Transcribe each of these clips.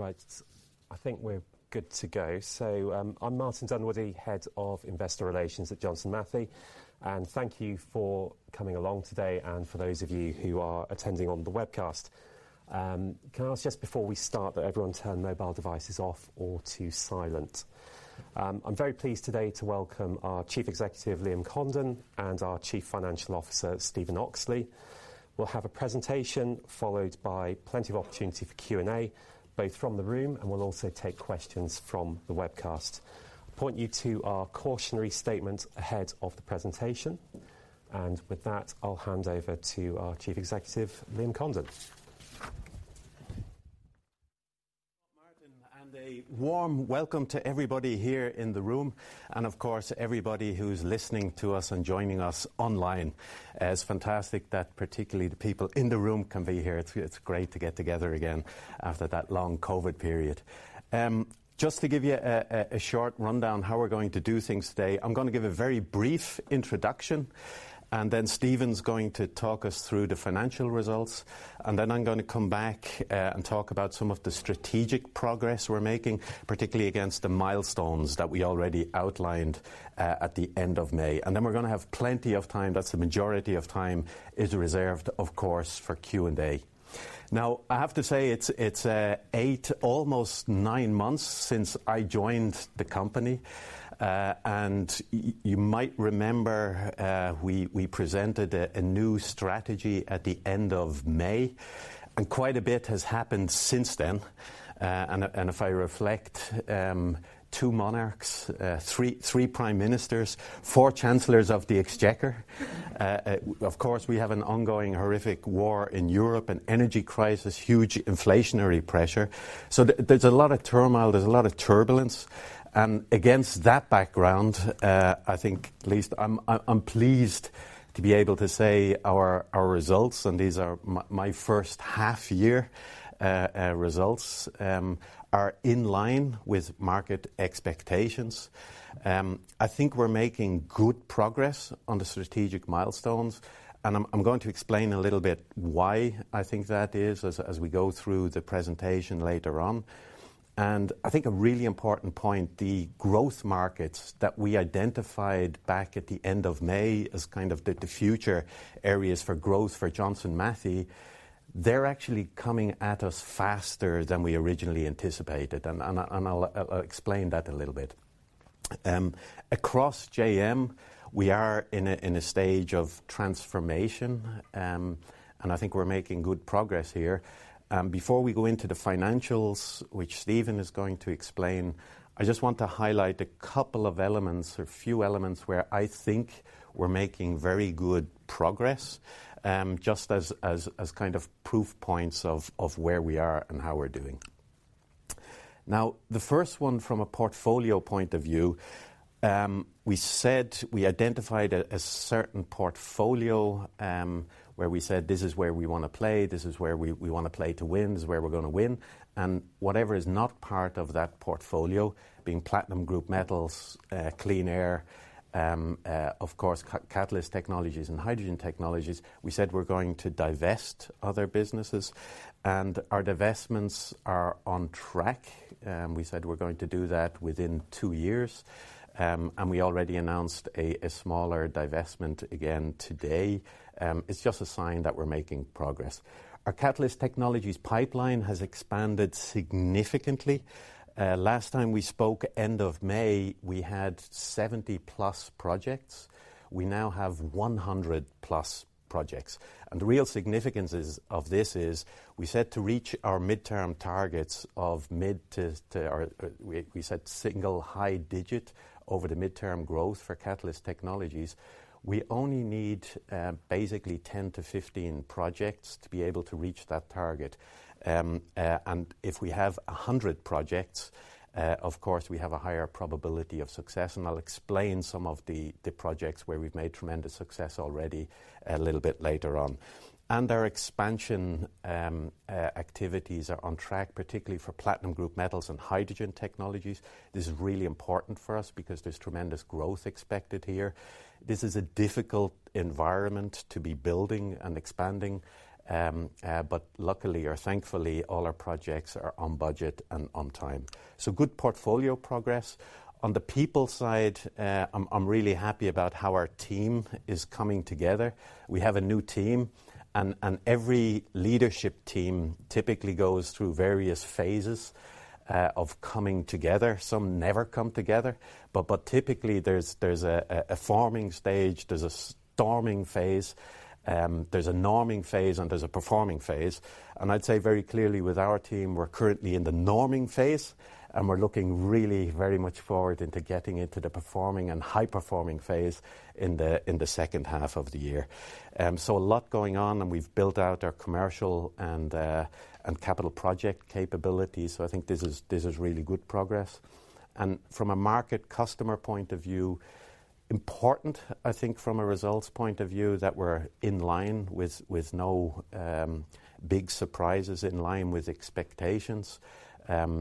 Right. I think we're good to go. I'm Martin Dunwoodie, Head of Investor Relations at Johnson Matthey. Thank you for coming along today and for those of you who are attending on the webcast. Can I ask just before we start that everyone turn mobile devices off or to silent? I'm very pleased today to welcome our Chief Executive, Liam Condon, and our Chief Financial Officer, Stephen Oxley. We'll have a presentation followed by plenty of opportunity for Q&A, both from the room, and we'll also take questions from the webcast. Point you to our cautionary statement ahead of the presentation. With that, I'll hand over to our Chief Executive, Liam Condon. Martin, a warm welcome to everybody here in the room and, of course, everybody who's listening to us and joining us online. It's fantastic that particularly the people in the room can be here. It's great to get together again after that long COVID period. Just to give you a short rundown how we're going to do things today. I'm gonna give a very brief introduction, and then Stephen's going to talk us through the financial results. I'm gonna come back and talk about some of the strategic progress we're making, particularly against the milestones that we already outlined at the end of May. We're gonna have plenty of time. That's the majority of time is reserved, of course, for Q&A. Now, I have to say it's eight, almost nine months since I joined the company. You might remember, we presented a new strategy at the end of May, quite a bit has happened since then. If I reflect, two monarchs, three prime ministers, four chancellors of the exchequer. Of course, we have an ongoing horrific war in Europe, an energy crisis, huge inflationary pressure. There's a lot of turmoil, there's a lot of turbulence. Against that background, I think at least I'm pleased to be able to say our results, and these are my first half year results, are in line with market expectations. I think we're making good progress on the strategic milestones, and I'm going to explain a little bit why I think that is as we go through the presentation later on. I think a really important point, the growth markets that we identified back at the end of May as kind of the future areas for growth for Johnson Matthey, they're actually coming at us faster than we originally anticipated. I'll explain that a little bit. Across JM, we are in a stage of transformation, and I think we're making good progress here. Before we go into the financials, which Stephen is going to explain, I just want to highlight a couple of elements or few elements where I think we're making very good progress, just as kind of proof points of where we are and how we're doing. The first one from a portfolio point of view, we said we identified a certain portfolio, where we said this is where we wanna play, this is where we wanna play to win, this is where we're gonna win. Whatever is not part of that portfolio, being platinum group metals, Clean Air, of course, Catalyst Technologies and Hydrogen Technologies, we said we're going to divest other businesses. Our divestments are on track. We said we're going to do that within two years. We already announced a smaller divestment again today. It's just a sign that we're making progress. Our Catalyst Technologies pipeline has expanded significantly. Last time we spoke end of May, we had 70+ projects. We now have 100+ projects. The real significance is, of this is, we set to reach our midterm targets of mid to, or we set single high digit over the midterm growth for Catalyst Technologies. We only need basically 10-15 projects to be able to reach that target. If we have 100 projects, of course, we have a higher probability of success. I'll explain some of the projects where we've made tremendous success already a little bit later on. Our expansion activities are on track, particularly for platinum group metals and Hydrogen Technologies. This is really important for us because there's tremendous growth expected here. This is a difficult environment to be building and expanding. But luckily or thankfully, all our projects are on budget and on time. Good portfolio progress. On the people side, I'm really happy about how our team is coming together. We have a new team, and every leadership team typically goes through various phases of coming together. Some never come together, but typically there's a forming stage, there's a storming phase, there's a norming phase, and there's a performing phase. I'd say very clearly with our team, we're currently in the norming phase, and we're looking really very much forward into getting into the performing and high-performing phase in the second half of the year. A lot going on, and we've built out our commercial and capital project capabilities. I think this is really good progress. From a market customer point of view, important, I think from a results point of view, that we're in line with no big surprises in line with expectations.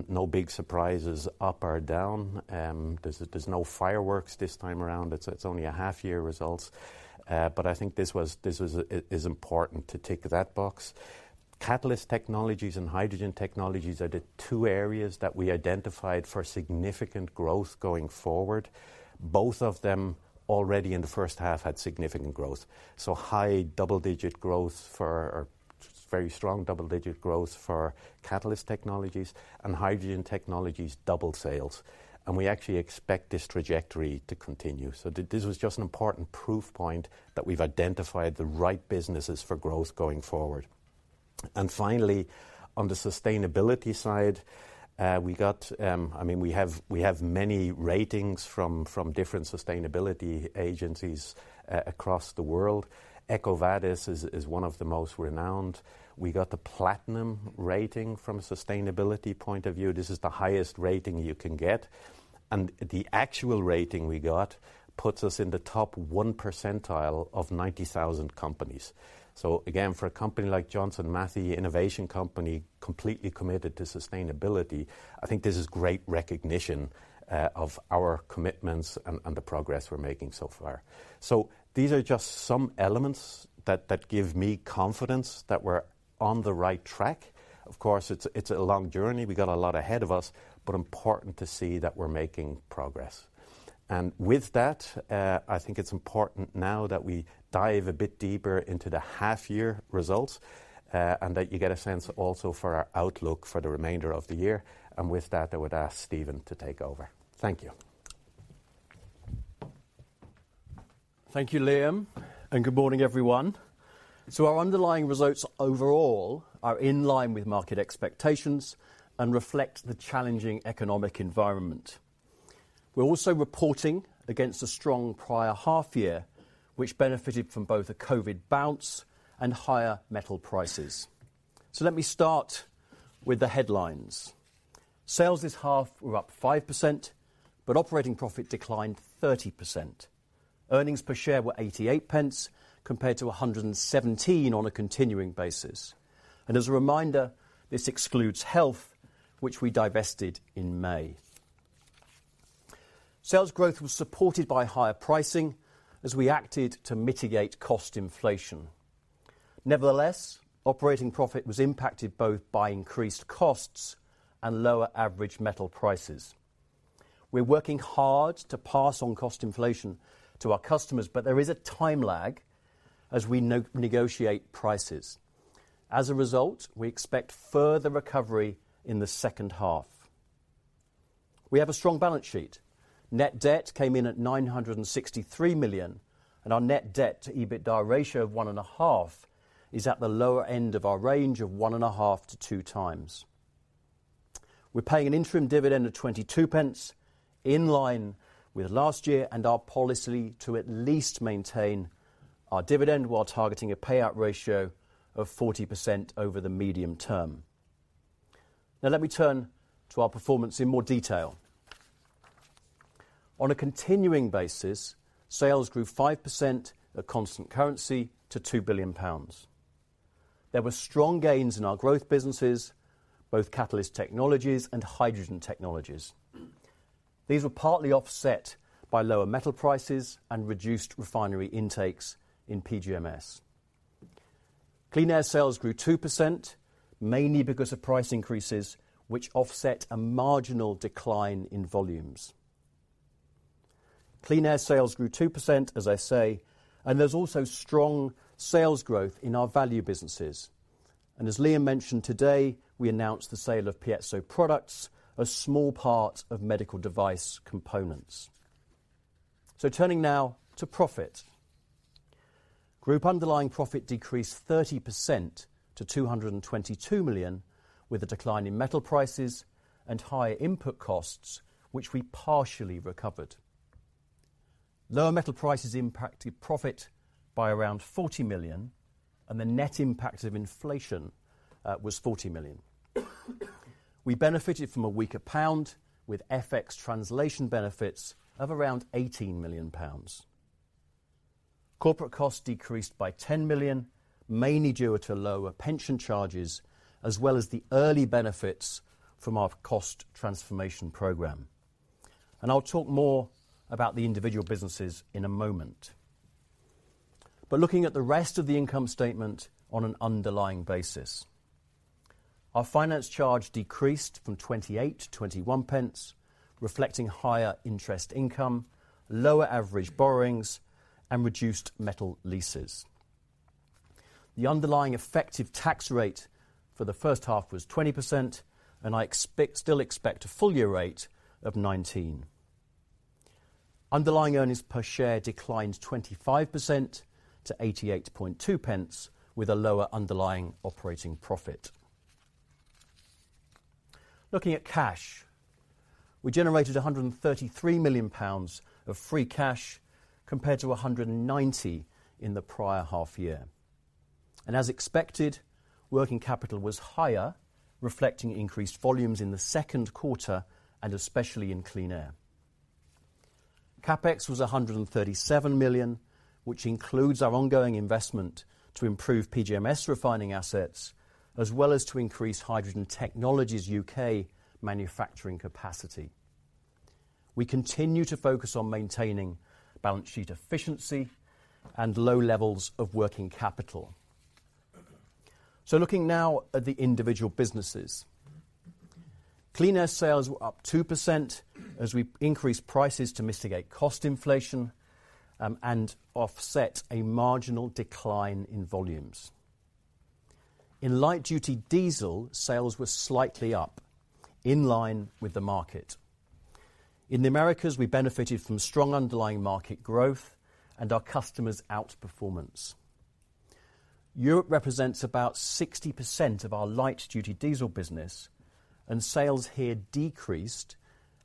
No big surprises up or down. There's, there's no fireworks this time around. It's, it's only a half-year results. I think this was important to tick that box. Catalyst Technologies and Hydrogen Technologies are the two areas that we identified for significant growth going forward. Both of them already in the first half had significant growth. High double-digit growth or very strong double-digit growth for Catalyst Technologies. Hydrogen Technologies doubled sales. We actually expect this trajectory to continue. This was just an important proof point that we've identified the right businesses for growth going forward. Finally, on the sustainability side, I mean, we have many ratings from different sustainability agencies across the world. EcoVadis is one of the most renowned. We got the platinum rating from a sustainability point of view. This is the highest rating you can get. The actual rating we got puts us in the top 1 percentile of 90,000 companies. Again, for a company like Johnson Matthey, innovation company completely committed to sustainability, I think this is great recognition of our commitments and the progress we're making so far. These are just some elements that give me confidence that we're on the right track. Of course, it's a long journey. We got a lot ahead of us, but important to see that we're making progress. With that, I think it's important now that we dive a bit deeper into the half year results, and that you get a sense also for our outlook for the remainder of the year. With that, I would ask Stephen to take over. Thank you. Thank you, Liam. Good morning, everyone. Our underlying results overall are in line with market expectations and reflect the challenging economic environment. We're also reporting against a strong prior half year, which benefited from both a COVID bounce and higher metal prices. Let me start with the headlines. Sales this half were up 5%, but operating profit declined 30%. Earnings per share were 0.88 compared to 1.17 on a continuing basis. As a reminder, this excludes health, which we divested in May. Sales growth was supported by higher pricing as we acted to mitigate cost inflation. Nevertheless, operating profit was impacted both by increased costs and lower average metal prices. We're working hard to pass on cost inflation to our customers, but there is a time lag as we negotiate prices. As a result, we expect further recovery in the second half. We have a strong balance sheet. Net debt came in at 963 million, and our net debt-to-EBITDA ratio of 1.5x is at the lower end of our range of 1.5x-2x. We're paying an interim dividend of 0.22 in line with last year and our policy to at least maintain our dividend while targeting a payout ratio of 40% over the medium term. Let me turn to our performance in more detail. On a continuing basis, sales grew 5% at constant currency to 2 billion pounds. There were strong gains in our growth businesses, both Catalyst Technologies and Hydrogen Technologies. These were partly offset by lower metal prices and reduced refinery intakes in PGMS. Clean Air sales grew 2%, mainly because of price increases, which offset a marginal decline in volumes. Clean Air sales grew 2%, as I say, there's also strong sales growth in our value businesses. As Liam mentioned today, we announced the sale of Piezo Products, a small part of medical device components. Turning now to profit. Group underlying profit decreased 30% to 222 million, with a decline in metal prices and higher input costs, which we partially recovered. Lower metal prices impacted profit by around 40 million, and the net impact of inflation was 40 million. We benefited from a weaker pound with FX translation benefits of around 18 million pounds. Corporate costs decreased by 10 million, mainly due to lower pension charges, as well as the early benefits from our cost transformation program. I'll talk more about the individual businesses in a moment. Looking at the rest of the income statement on an underlying basis. Our finance charge decreased from 0.28-0.21, reflecting higher interest income, lower average borrowings, and reduced metal leases. The underlying effective tax rate for the first half was 20%, and I still expect a full year rate of 19%. Underlying earnings per share declined 25% to 0.882 with a lower underlying operating profit. Looking at cash. We generated 133 million pounds of free cash compared to 190 million in the prior half year. As expected, working capital was higher, reflecting increased volumes in the second quarter and especially in Clean Air. CapEx was 137 million, which includes our ongoing investment to improve PGMS refining assets, as well as to increase Hydrogen Technologies U.K. manufacturing capacity. We continue to focus on maintaining balance sheet efficiency and low levels of working capital. Looking now at the individual businesses. Clean Air sales were up 2% as we increased prices to mitigate cost inflation and offset a marginal decline in volumes. In light-duty diesel, sales were slightly up in line with the market. In the Americas, we benefited from strong underlying market growth and our customers' outperformance. Europe represents about 60% of our light-duty diesel business, and sales here decreased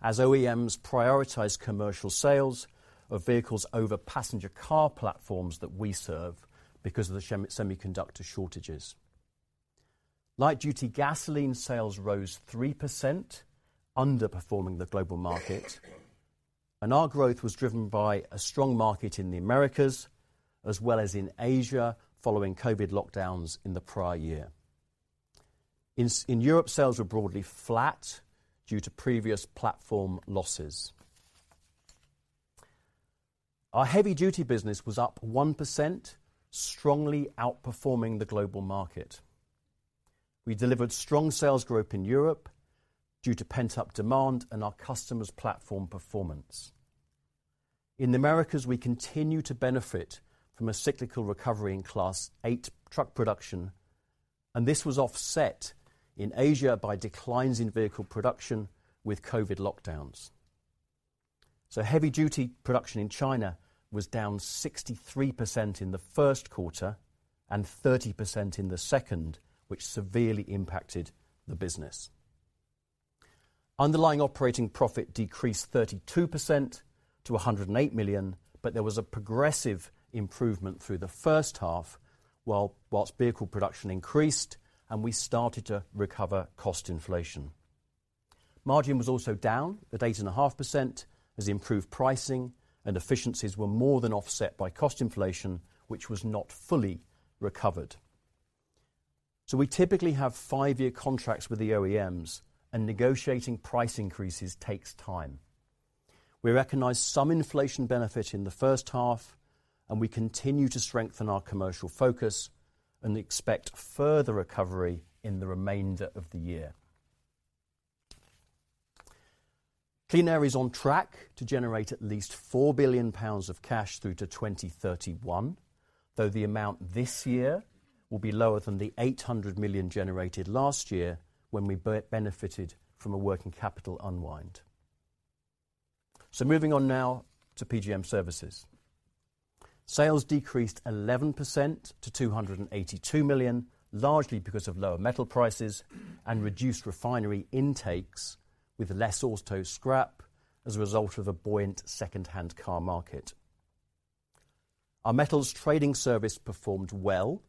as OEMs prioritized commercial sales of vehicles over passenger car platforms that we serve because of the semiconductor shortages. Light-duty gasoline sales rose 3%, underperforming the global market. Our growth was driven by a strong market in the Americas, as well as in Asia, following COVID lockdowns in the prior year. In Europe, sales were broadly flat due to previous platform losses. Our heavy-duty business was up 1%, strongly outperforming the global market. We delivered strong sales growth in Europe due to pent-up demand and our customers' platform performance. In the Americas, we continue to benefit from a cyclical recovery in Class VIII truck production, and this was offset in Asia by declines in vehicle production with COVID lockdowns. Heavy-duty production in China was down 63% in the first quarter and 30% in the second, which severely impacted the business. Underlying operating profit decreased 32% to 108 million. There was a progressive improvement through the first half whilst vehicle production increased. We started to recover cost inflation. Margin was also down at 8.5% as improved pricing and efficiencies were more than offset by cost inflation, which was not fully recovered. We typically have five year contracts with the OEMs and negotiating price increases takes time. We recognize some inflation benefit in the first half. We continue to strengthen our commercial focus and expect further recovery in the remainder of the year. Clean Air is on track to generate at least 4 billion pounds of cash through to 2031. The amount this year will be lower than the 800 million generated last year when we benefited from a working capital unwind. Moving on now to PGM Services. Sales decreased 11% to 282 million, largely because of lower metal prices and reduced refinery intakes with less auto scrap as a result of a buoyant secondhand car market. Our metals trading service performed well.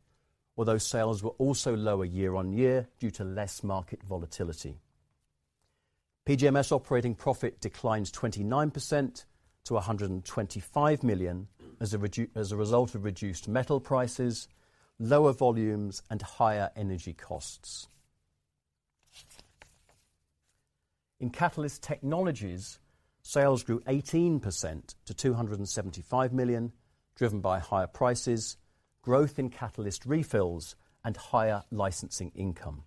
Although sales were also lower year-over-year due to less market volatility. PGMS operating profit declined 29% to 125 million as a result of reduced metal prices, lower volumes, and higher energy costs. In Catalyst Technologies, sales grew 18% to 275 million, driven by higher prices, growth in catalyst refills, and higher licensing income.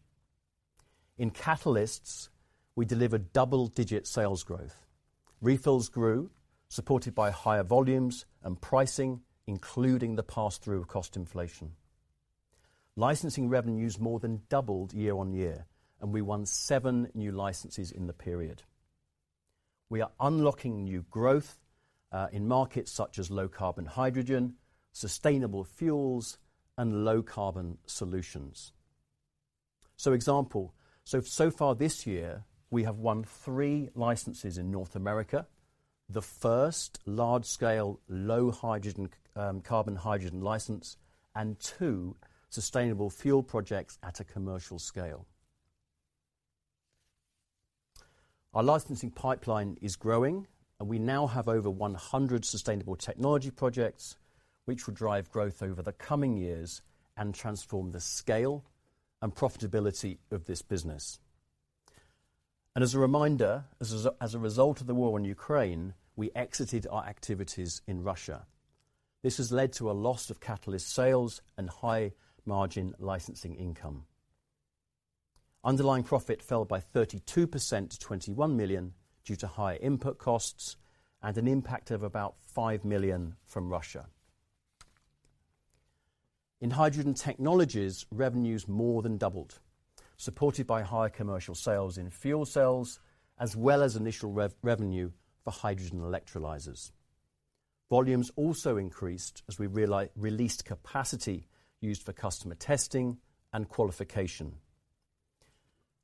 In Catalysts, we delivered double-digit sales growth. Refills grew, supported by higher volumes and pricing, including the pass-through of cost inflation. Licensing revenues more than doubled year-over-year, and we won seven new licenses in the period. We are unlocking new growth in markets such as low carbon hydrogen, sustainable fuels, and Low Carbon Solutions. So far this year, we have won three licenses in North America, the first large-scale low hydrogen, carbon hydrogen license, and two sustainable fuel projects at a commercial scale. Our licensing pipeline is growing, and we now have over 100 sustainable technology projects, which will drive growth over the coming years and transform the scale and profitability of this business. As a reminder, as a result of the war in Ukraine, we exited our activities in Russia. This has led to a loss of catalyst sales and high margin licensing income. Underlying profit fell by 32% to 21 million due to higher input costs and an impact of about 5 million from Russia. In Hydrogen Technologies, revenues more than doubled, supported by higher commercial sales in fuel cells as well as initial revenue for hydrogen electrolyzers. Volumes also increased as we released capacity used for customer testing and qualification.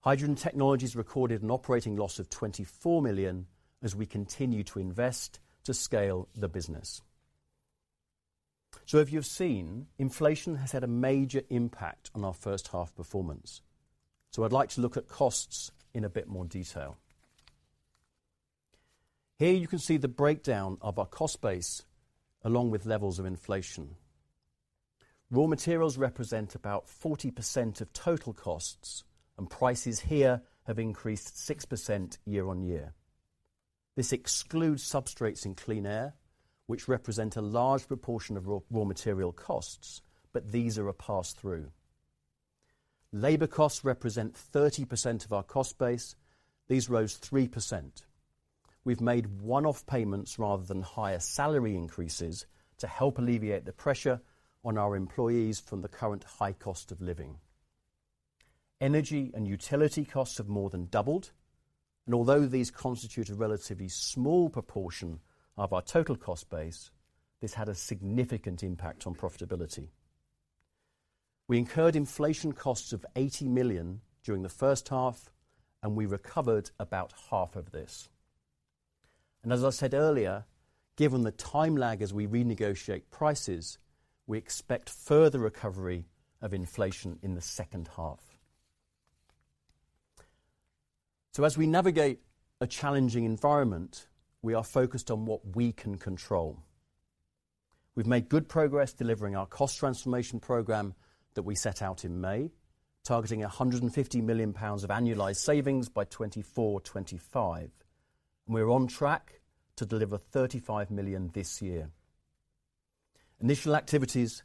Hydrogen Technologies recorded an operating loss of 24 million as we continue to invest to scale the business. As you've seen, inflation has had a major impact on our first half performance. I'd like to look at costs in a bit more detail. Here you can see the breakdown of our cost base along with levels of inflation. Raw materials represent about 40% of total costs, and prices here have increased 6% year-on-year. This excludes substrates in Clean Air, which represent a large proportion of raw material costs, but these are a pass-through. Labor costs represent 30% of our cost base. These rose 3%. We've made one-off payments rather than higher salary increases to help alleviate the pressure on our employees from the current high cost of living. Energy and utility costs have more than doubled, although these constitute a relatively small proportion of our total cost base, this had a significant impact on profitability. We incurred inflation costs of 80 million during the first half, we recovered about half of this. As I said earlier, given the time lag as we renegotiate prices, we expect further recovery of inflation in the second half. As we navigate a challenging environment, we are focused on what we can control. We've made good progress delivering our cost transformation program that we set out in May, targeting 150 million pounds of annualized savings by 2024/2025, we're on track to deliver 35 million this year. Initial activities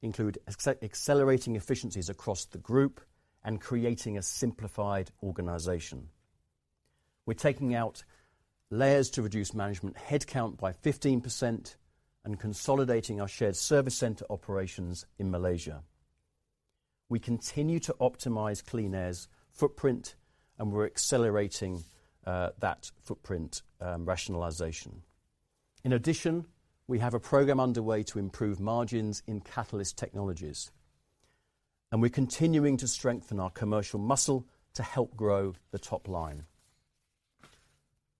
include accelerating efficiencies across the group and creating a simplified organization. We're taking out layers to reduce management headcount by 15% and consolidating our shared service center operations in Malaysia. We continue to optimize Clean Air's footprint, and we're accelerating that footprint rationalization. In addition, we have a program underway to improve margins in Catalyst Technologies, and we're continuing to strengthen our commercial muscle to help grow the top line.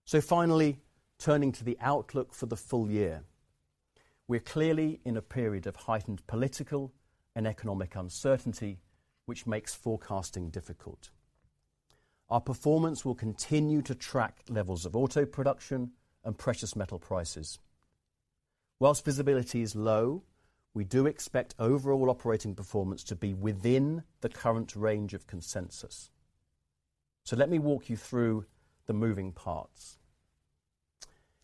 Finally, turning to the outlook for the full year. We're clearly in a period of heightened political and economic uncertainty, which makes forecasting difficult. Our performance will continue to track levels of auto production and precious metal prices. While visibility is low, we do expect overall operating performance to be within the current range of consensus. Let me walk you through the moving parts.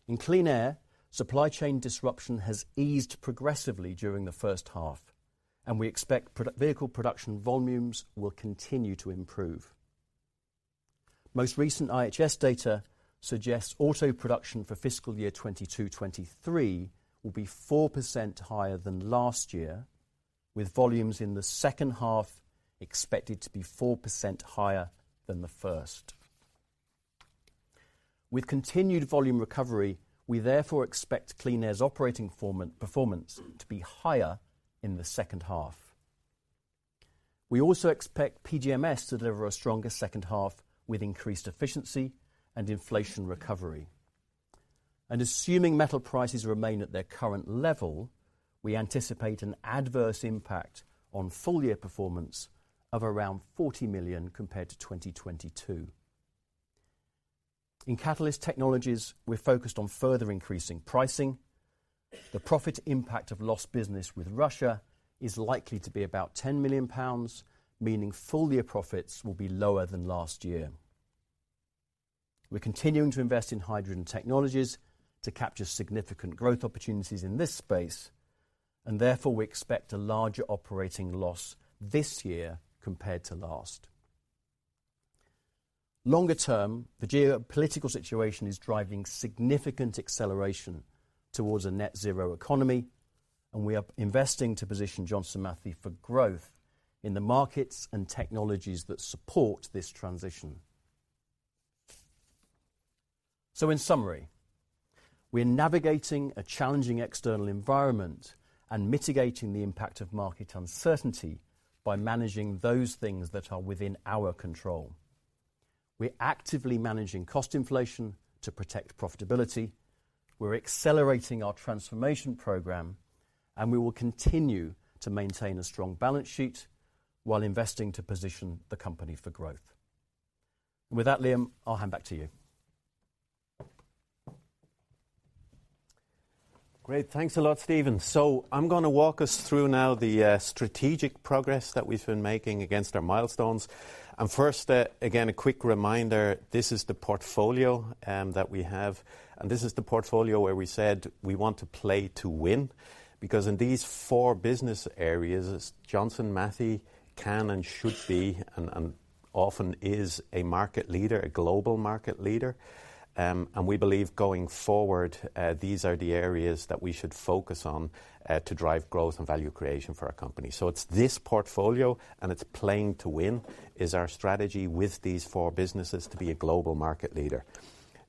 In Clean Air, supply chain disruption has eased progressively during the first half, and we expect vehicle production volumes will continue to improve. Most recent IHS data suggests auto production for fiscal year 2022/2023 will be 4% higher than last year, with volumes in the second half expected to be 4% higher than the first. With continued volume recovery, we therefore expect Clean Air's operating performance to be higher in the second half. We also expect PGMS to deliver a stronger second half with increased efficiency and inflation recovery. Assuming metal prices remain at their current level, we anticipate an adverse impact on full-year performance of around 40 million compared to 2022. In Catalyst Technologies, we're focused on further increasing pricing. The profit impact of lost business with Russia is likely to be about 10 million pounds, meaning full-year profits will be lower than last year. We're continuing to invest in Hydrogen Technologies to capture significant growth opportunities in this space. Therefore, we expect a larger operating loss this year compared to last. Longer term, the geopolitical situation is driving significant acceleration towards a net zero economy. We are investing to position Johnson Matthey for growth in the markets and technologies that support this transition. In summary, we're navigating a challenging external environment, mitigating the impact of market uncertainty by managing those things that are within our control. We're actively managing cost inflation to protect profitability. We're accelerating our transformation program. We will continue to maintain a strong balance sheet while investing to position the company for growth. With that, Liam, I'll hand back to you. Great. Thanks a lot, Stephen. I'm gonna walk us through now the strategic progress that we've been making against our milestones. First, again, a quick reminder, this is the portfolio that we have, and this is the portfolio where we said we want to play to win because in these four business areas, Johnson Matthey can and should be and often is a market leader, a global market leader. We believe going forward, these are the areas that we should focus on to drive growth and value creation for our company. It's this portfolio and it's playing to win is our strategy with these four businesses to be a global market leader.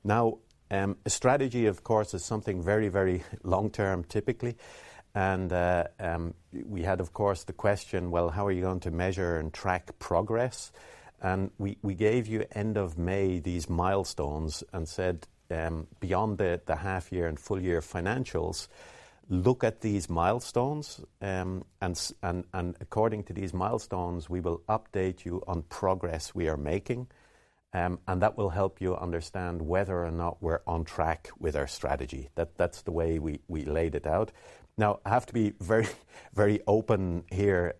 Now, a strategy, of course, is something very, very long-term typically, and we had, of course, the question, well, how are you going to measure and track progress? We gave you end of May these milestones and said, beyond the half year and full year financials, look at these milestones, and according to these milestones, we will update you on progress we are making. That will help you understand whether or not we're on track with our strategy. That's the way we laid it out. Now, I have to be very, very open here.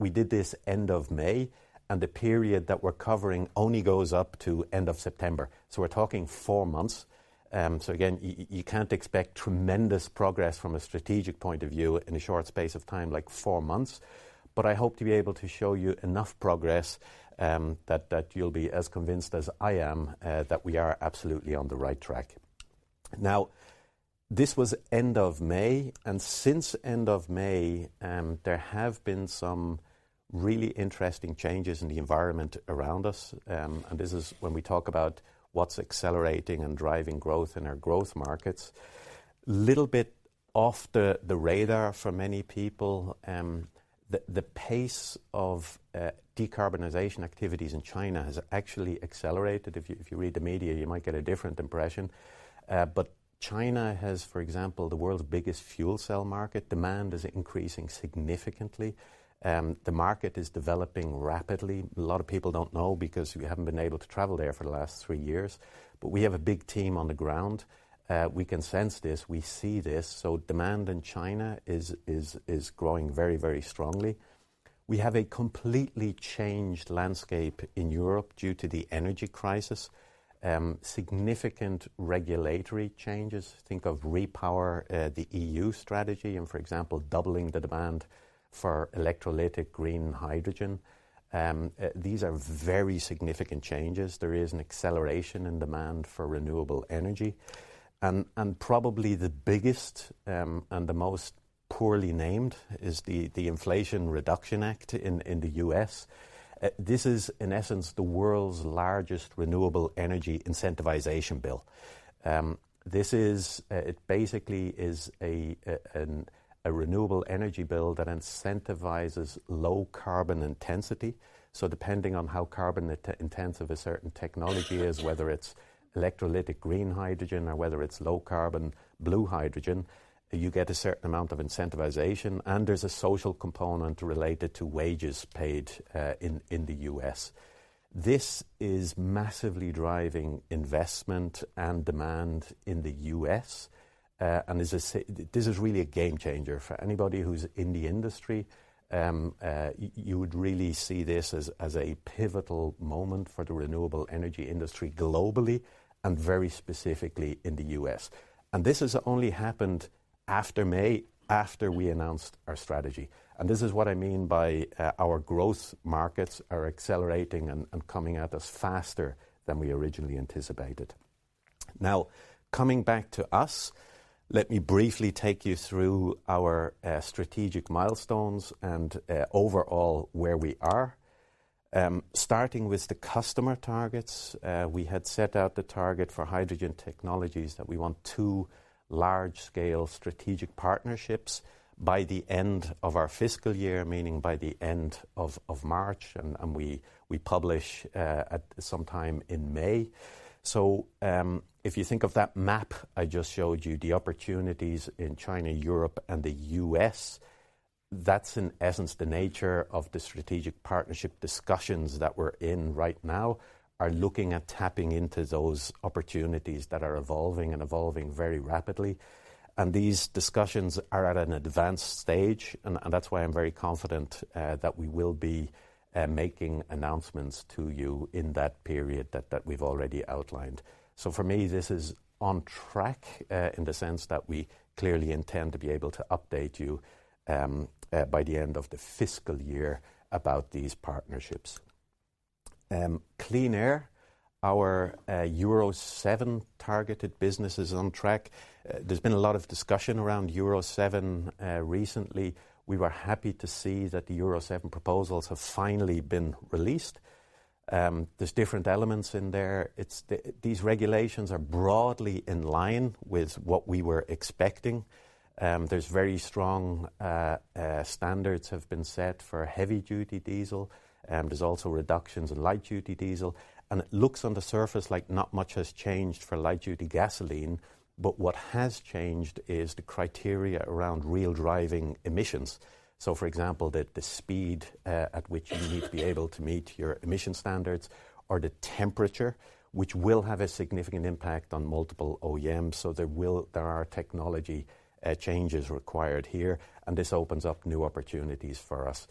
We did this end of May, and the period that we're covering only goes up to end of September, so we're talking four months. Again, you can't expect tremendous progress from a strategic point of view in a short space of time like 4 months. I hope to be able to show you enough progress that you'll be as convinced as I am that we are absolutely on the right track. Now, this was end of May, since end of May, there have been some really interesting changes in the environment around us. This is when we talk about what's accelerating and driving growth in our growth markets. Little bit off the radar for many people, the pace of decarbonization activities in China has actually accelerated. If you read the media, you might get a different impression. China has, for example, the world's biggest fuel cell market. Demand is increasing significantly. The market is developing rapidly. A lot of people don't know because we haven't been able to travel there for the last three years, but we have a big team on the ground. We can sense this. We see this. Demand in China is growing very, very strongly. We have a completely changed landscape in Europe due to the energy crisis. Significant regulatory changes. Think of REPowerEU, the EU strategy, and for example, doubling the demand for electrolytic green hydrogen. These are very significant changes. There is an acceleration in demand for renewable energy. Probably the biggest, and the most poorly named is the Inflation Reduction Act in the U.S. This is in essence the world's largest renewable energy incentivization bill. This is, it basically is a renewable energy bill that incentivizes low carbon intensity, so depending on how carbon intensive a certain technology is, whether it's electrolytic green hydrogen or whether it's low carbon blue hydrogen, you get a certain amount of incentivization, and there's a social component related to wages paid in the U.S. This is massively driving investment and demand in the U.S., and this is really a game changer. For anybody who's in the industry, you would really see this as a pivotal moment for the renewable energy industry globally and very specifically in the U.S. This has only happened after May, after we announced our strategy. This is what I mean by, our growth markets are accelerating and coming at us faster than we originally anticipated. Now, coming back to us, let me briefly take you through our strategic milestones and overall where we are. Starting with the customer targets, we had set out the target for Hydrogen Technologies that we want two large scale strategic partnerships by the end of our fiscal year, meaning by the end of March, and we publish at some time in May. If you think of that map I just showed you, the opportunities in China, Europe, and the U.S., that's in essence the nature of the strategic partnership discussions that we're in right now, are looking at tapping into those opportunities that are evolving and evolving very rapidly. These discussions are at an advanced stage, and that's why I'm very confident that we will be making announcements to you in that period that we've already outlined. For me, this is on track in the sense that we clearly intend to be able to update you by the end of the fiscal year about these partnerships. Clean Air, our Euro 7 targeted business is on track. There's been a lot of discussion around Euro 7 recently. We were happy to see that the Euro 7 proposals have finally been released. There's different elements in there. These regulations are broadly in line with what we were expecting. There's very strong standards have been set for heavy-duty diesel. There's also reductions in light-duty diesel. It looks on the surface like not much has changed for light-duty gasoline, but what has changed is the criteria around real driving emissions. For example, the speed at which you need to be able to meet your emission standards or the temperature, which will have a significant impact on multiple OEMs. There are technology changes required here, and this opens up new opportunities for us.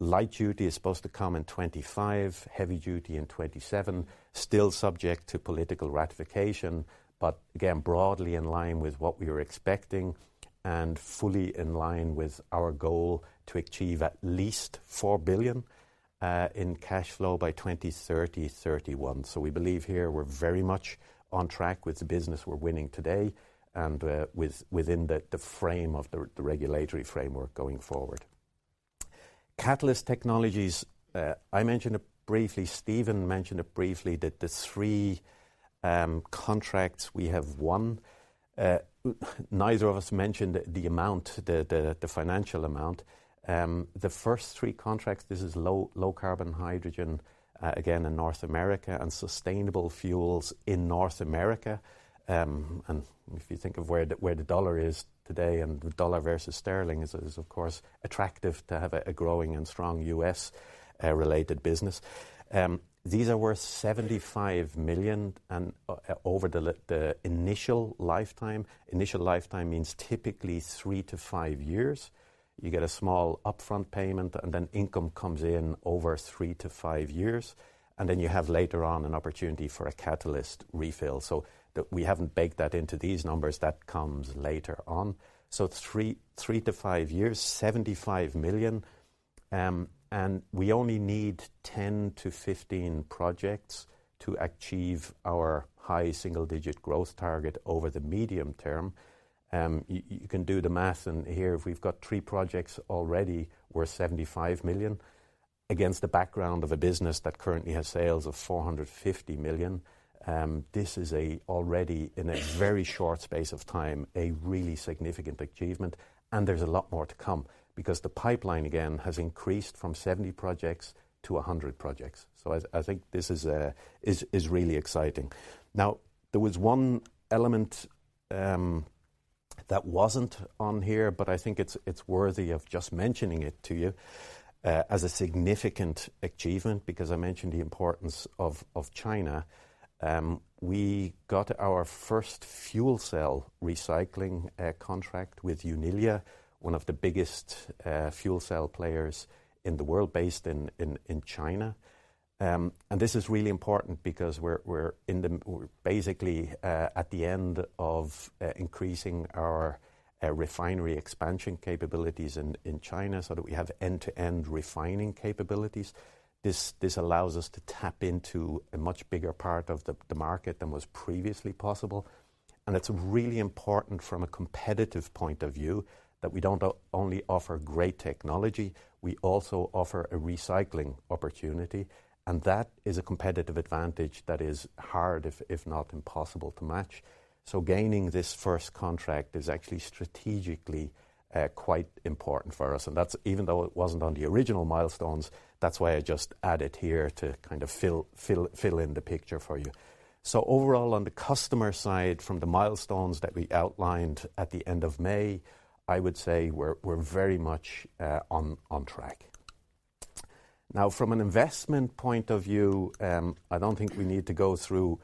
Light duty is supposed to come in 2025, heavy duty in 2027. Still subject to political ratification, but again, broadly in line with what we were expecting and fully in line with our goal to achieve at least 4 billion in cash flow by 2030, 2031. We believe here we're very much on track with the business we're winning today and within the frame of the regulatory framework going forward. Catalyst Technologies, I mentioned it briefly, Stephen mentioned it briefly, that the three contracts we have won. Neither of us mentioned the amount, the financial amount. The first three contracts, this is low carbon hydrogen, again, in North America and sustainable fuels in North America. If you think of where the dollar is today and the dollar versus sterling is of course attractive to have a growing and strong US related business. These are worth 75 million over the initial lifetime. Initial lifetime means typically three to five years. You get a small upfront payment, and then income comes in over three to five years. And then you have later on an opportunity for a catalyst refill, so we haven't baked that into these numbers. That comes later on. So, three to five years, 75 million. We only need 10 to 15 projects to achieve our high single-digit growth target over the medium term. You can do the math. Here if we've got three projects already worth 75 million against the background of a business that currently has sales of 450 million, this is already in a very short space of time, a really significant achievement, and there's a lot more to come because the pipeline again has increased from 70 projects to 100 projects. I think this is really exciting. There was one element that wasn't on here, but I think it's worthy of just mentioning it to you as a significant achievement, because I mentioned the importance of China. We got our first fuel cell recycling contract with Unilia, one of the biggest fuel cell players in the world based in China. This is really important because we're basically at the end of increasing our refinery expansion capabilities in China so that we have end-to-end refining capabilities. This allows us to tap into a much bigger part of the market than was previously possible. It's really important from a competitive point of view that we don't only offer great technology, we also offer a recycling opportunity, and that is a competitive advantage that is hard, if not impossible to match. Gaining this first contract is actually strategically quite important for us. That's even though it wasn't on the original milestones, that's why I just add it here to kind of fill in the picture for you. Overall, on the customer side, from the milestones that we outlined at the end of May, I would say we're very much on track. From an investment point of view, I don't think we need to go through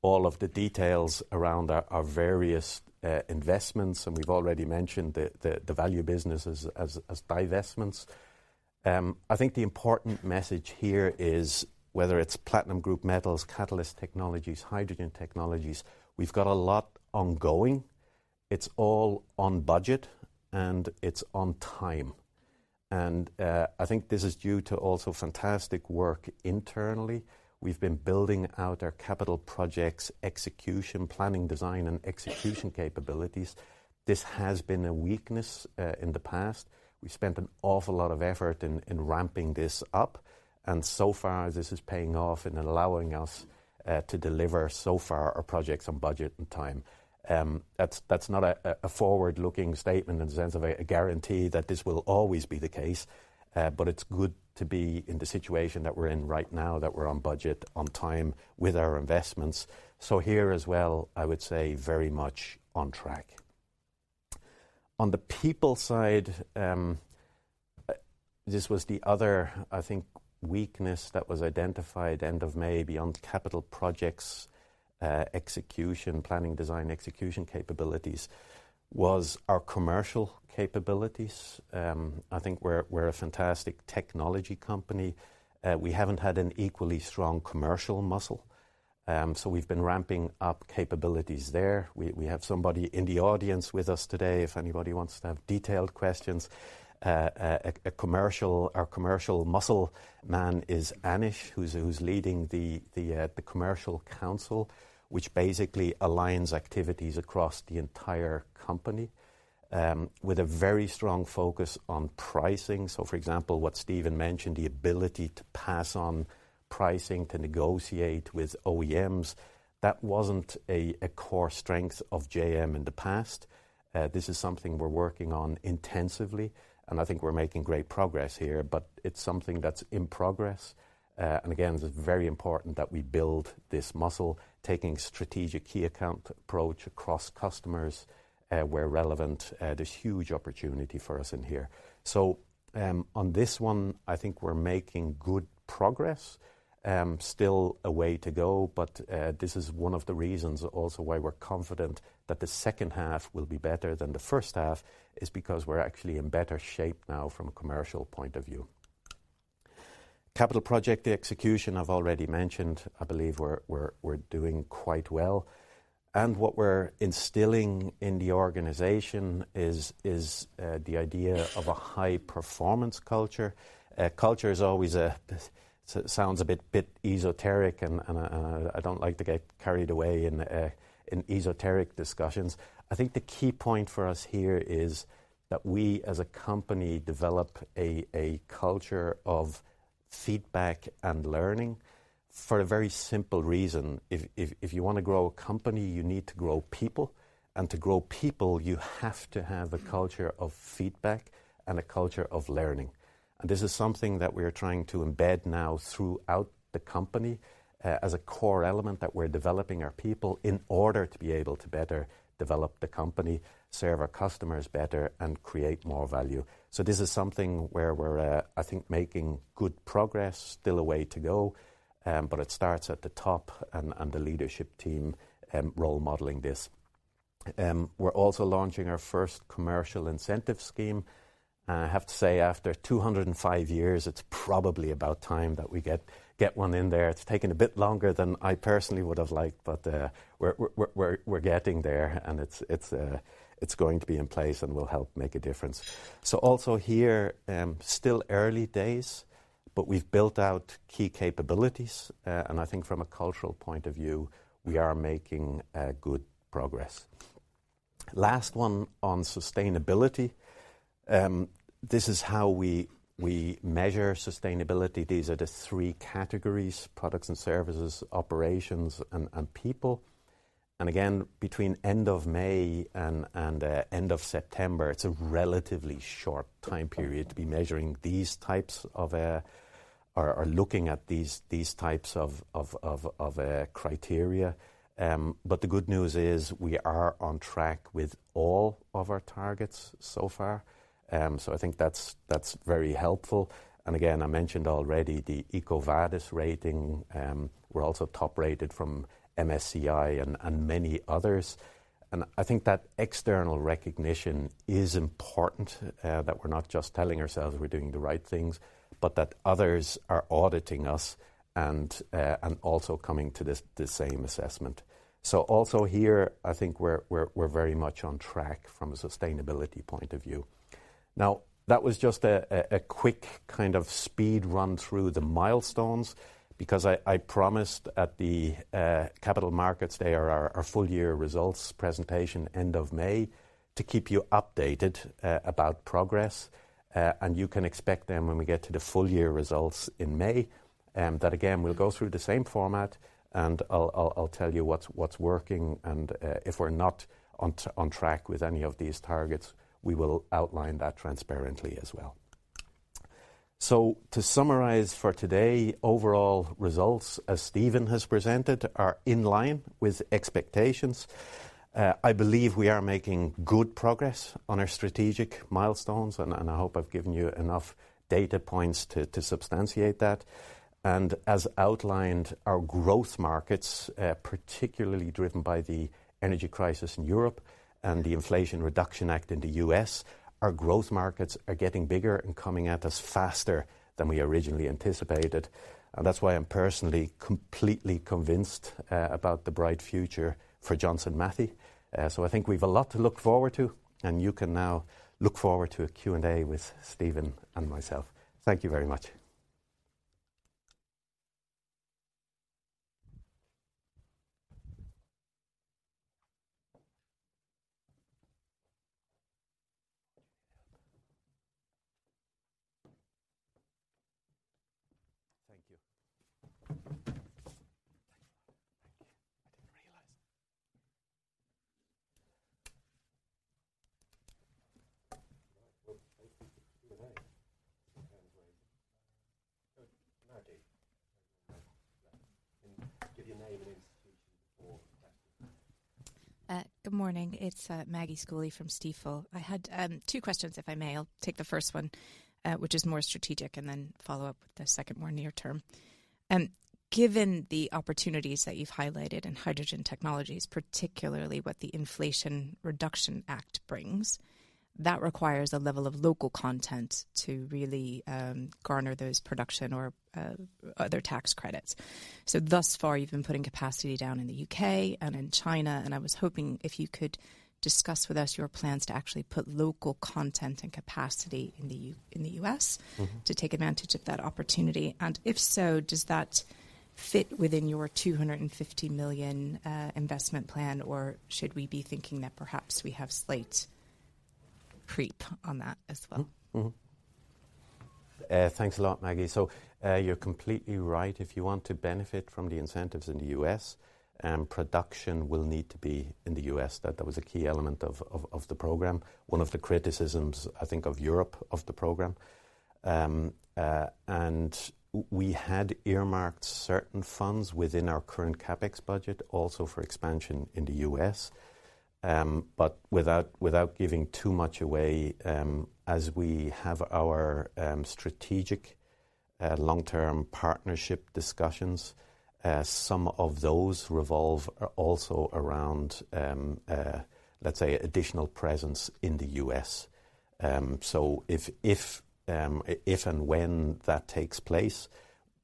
all of the details around our various investments, and we've already mentioned the value businesses as divestments. I think the important message here is whether it's platinum group metals, Catalyst Technologies, Hydrogen Technologies, we've got a lot ongoing. It's all on budget, and it's on time. I think this is due to also fantastic work internally. We've been building out our capital projects execution, planning, design, and execution capabilities. This has been a weakness in the past. We spent an awful lot of effort in ramping this up, and so far, this is paying off and allowing us to deliver so far our projects on budget and time. That's not a forward-looking statement in the sense of a guarantee that this will always be the case, but it's good to be in the situation that we're in right now, that we're on budget, on time with our investments. Here as well, I would say very much on track. On the people side, this was the other, I think, weakness that was identified end of May beyond capital projects, execution, planning, design, execution capabilities was our commercial capabilities. I think we're a fantastic technology company. We haven't had an equally strong commercial muscle, we've been ramping up capabilities there. We have somebody in the audience with us today if anybody wants to have detailed questions. Our commercial muscle man is Anish, who's leading the commercial council, which basically aligns activities across the entire company with a very strong focus on pricing. For example, what Stephen mentioned, the ability to pass on pricing to negotiate with OEMs. That wasn't a core strength of JM in the past. This is something we're working on intensively, I think we're making great progress here, it's something that's in progress. Again, it's very important that we build this muscle, taking strategic key account approach across customers where relevant. There's huge opportunity for us in here. On this one, I think we're making good progress. Still a way to go, but this is one of the reasons also why we're confident that the second half will be better than the first half is because we're actually in better shape now from a commercial point of view. Capital project execution, I've already mentioned. I believe we're doing quite well. What we're instilling in the organization is the idea of a high performance culture. Culture is always a so it sounds a bit esoteric, and I don't like to get carried away in esoteric discussions. I think the key point for us here is that we as a company develop a culture of feedback and learning for a very simple reason. If you wanna grow a company, you need to grow people. To grow people, you have to have a culture of feedback and a culture of learning. This is something that we are trying to embed now throughout the company, as a core element that we're developing our people in order to be able to better develop the company, serve our customers better, and create more value. This is something where we're, I think making good progress. Still a way to go, but it starts at the top and the leadership team role-modeling this. We're also launching our first commercial incentive scheme. I have to say after 205 years, it's probably about time that we get one in there. It's taken a bit longer than I personally would've liked, but we're getting there and it's going to be in place and will help make a difference. Also here, still early days, but we've built out key capabilities. And I think from a cultural point of view, we are making good progress. Last one on sustainability. This is how we measure sustainability. These are the three categories: products and services, operations, and people. Again, between end of May and end of September, it's a relatively short time period to be measuring these types of or looking at these types of criteria. The good news is we are on track with all of our targets so far. I think that's very helpful. Again, I mentioned already the EcoVadis rating. We're also top rated from MSCI and many others. I think that external recognition is important, that we're not just telling ourselves we're doing the right things, but that others are auditing us and also coming to the same assessment. Also here, I think we're very much on track from a sustainability point of view. That was just a quick kind of speed run through the milestones because I promised at the capital markets day or our full year results presentation end of May to keep you updated about progress. You can expect when we get to the full year results in May, that again, we'll go through the same format and I'll tell you what's working and if we're not on track with any of these targets, we will outline that transparently as well. To summarize for today, overall results, as Stephen has presented, are in line with expectations. I believe we are making good progress on our strategic milestones, and I hope I've given you enough data points to substantiate that. As outlined, our growth markets, particularly driven by the energy crisis in Europe and the Inflation Reduction Act in the U.S., our growth markets are getting bigger and coming at us faster than we originally anticipated. That's why I'm personally completely convinced about the bright future for Johnson Matthey. I think we've a lot to look forward to. You can now look forward to a Q&A with Stephen and myself. Thank you very much. Thank you. Thank you. Thank you. I didn't realize. Right. Well, thank you. Q&A. Any hands raised? Good. Maggie. Give your name and institution before asking. Good morning. It's Maggie Schooley from Stifel. I had two questions, if I may. I'll take the first one, which is more strategic, and then follow up with the second more near term. Given the opportunities that you've highlighted in Hydrogen Technologies, particularly what the Inflation Reduction Act brings, that requires a level of local content to really garner those production or other tax credits. Thus far, you've been putting capacity down in the U.K. and in China, and I was hoping if you could discuss with us your plans to actually put local content and capacity in the U.S. Mm-hmm. -to take advantage of that opportunity. If so, does that fit within your 250 million investment plan, or should we be thinking that perhaps we have slight creep on that as well? Mm-hmm. Mm-hmm. Thanks a lot, Maggie. You're completely right. If you want to benefit from the incentives in the U.S., production will need to be in the U.S. That was a key element of the program. One of the criticisms, I think of Europe, of the program. We had earmarked certain funds within our current CapEx budget also for expansion in the U.S. Without giving too much away, as we have our strategic long-term partnership discussions, some of those revolve also around, let's say additional presence in the U.S. If and when that takes place,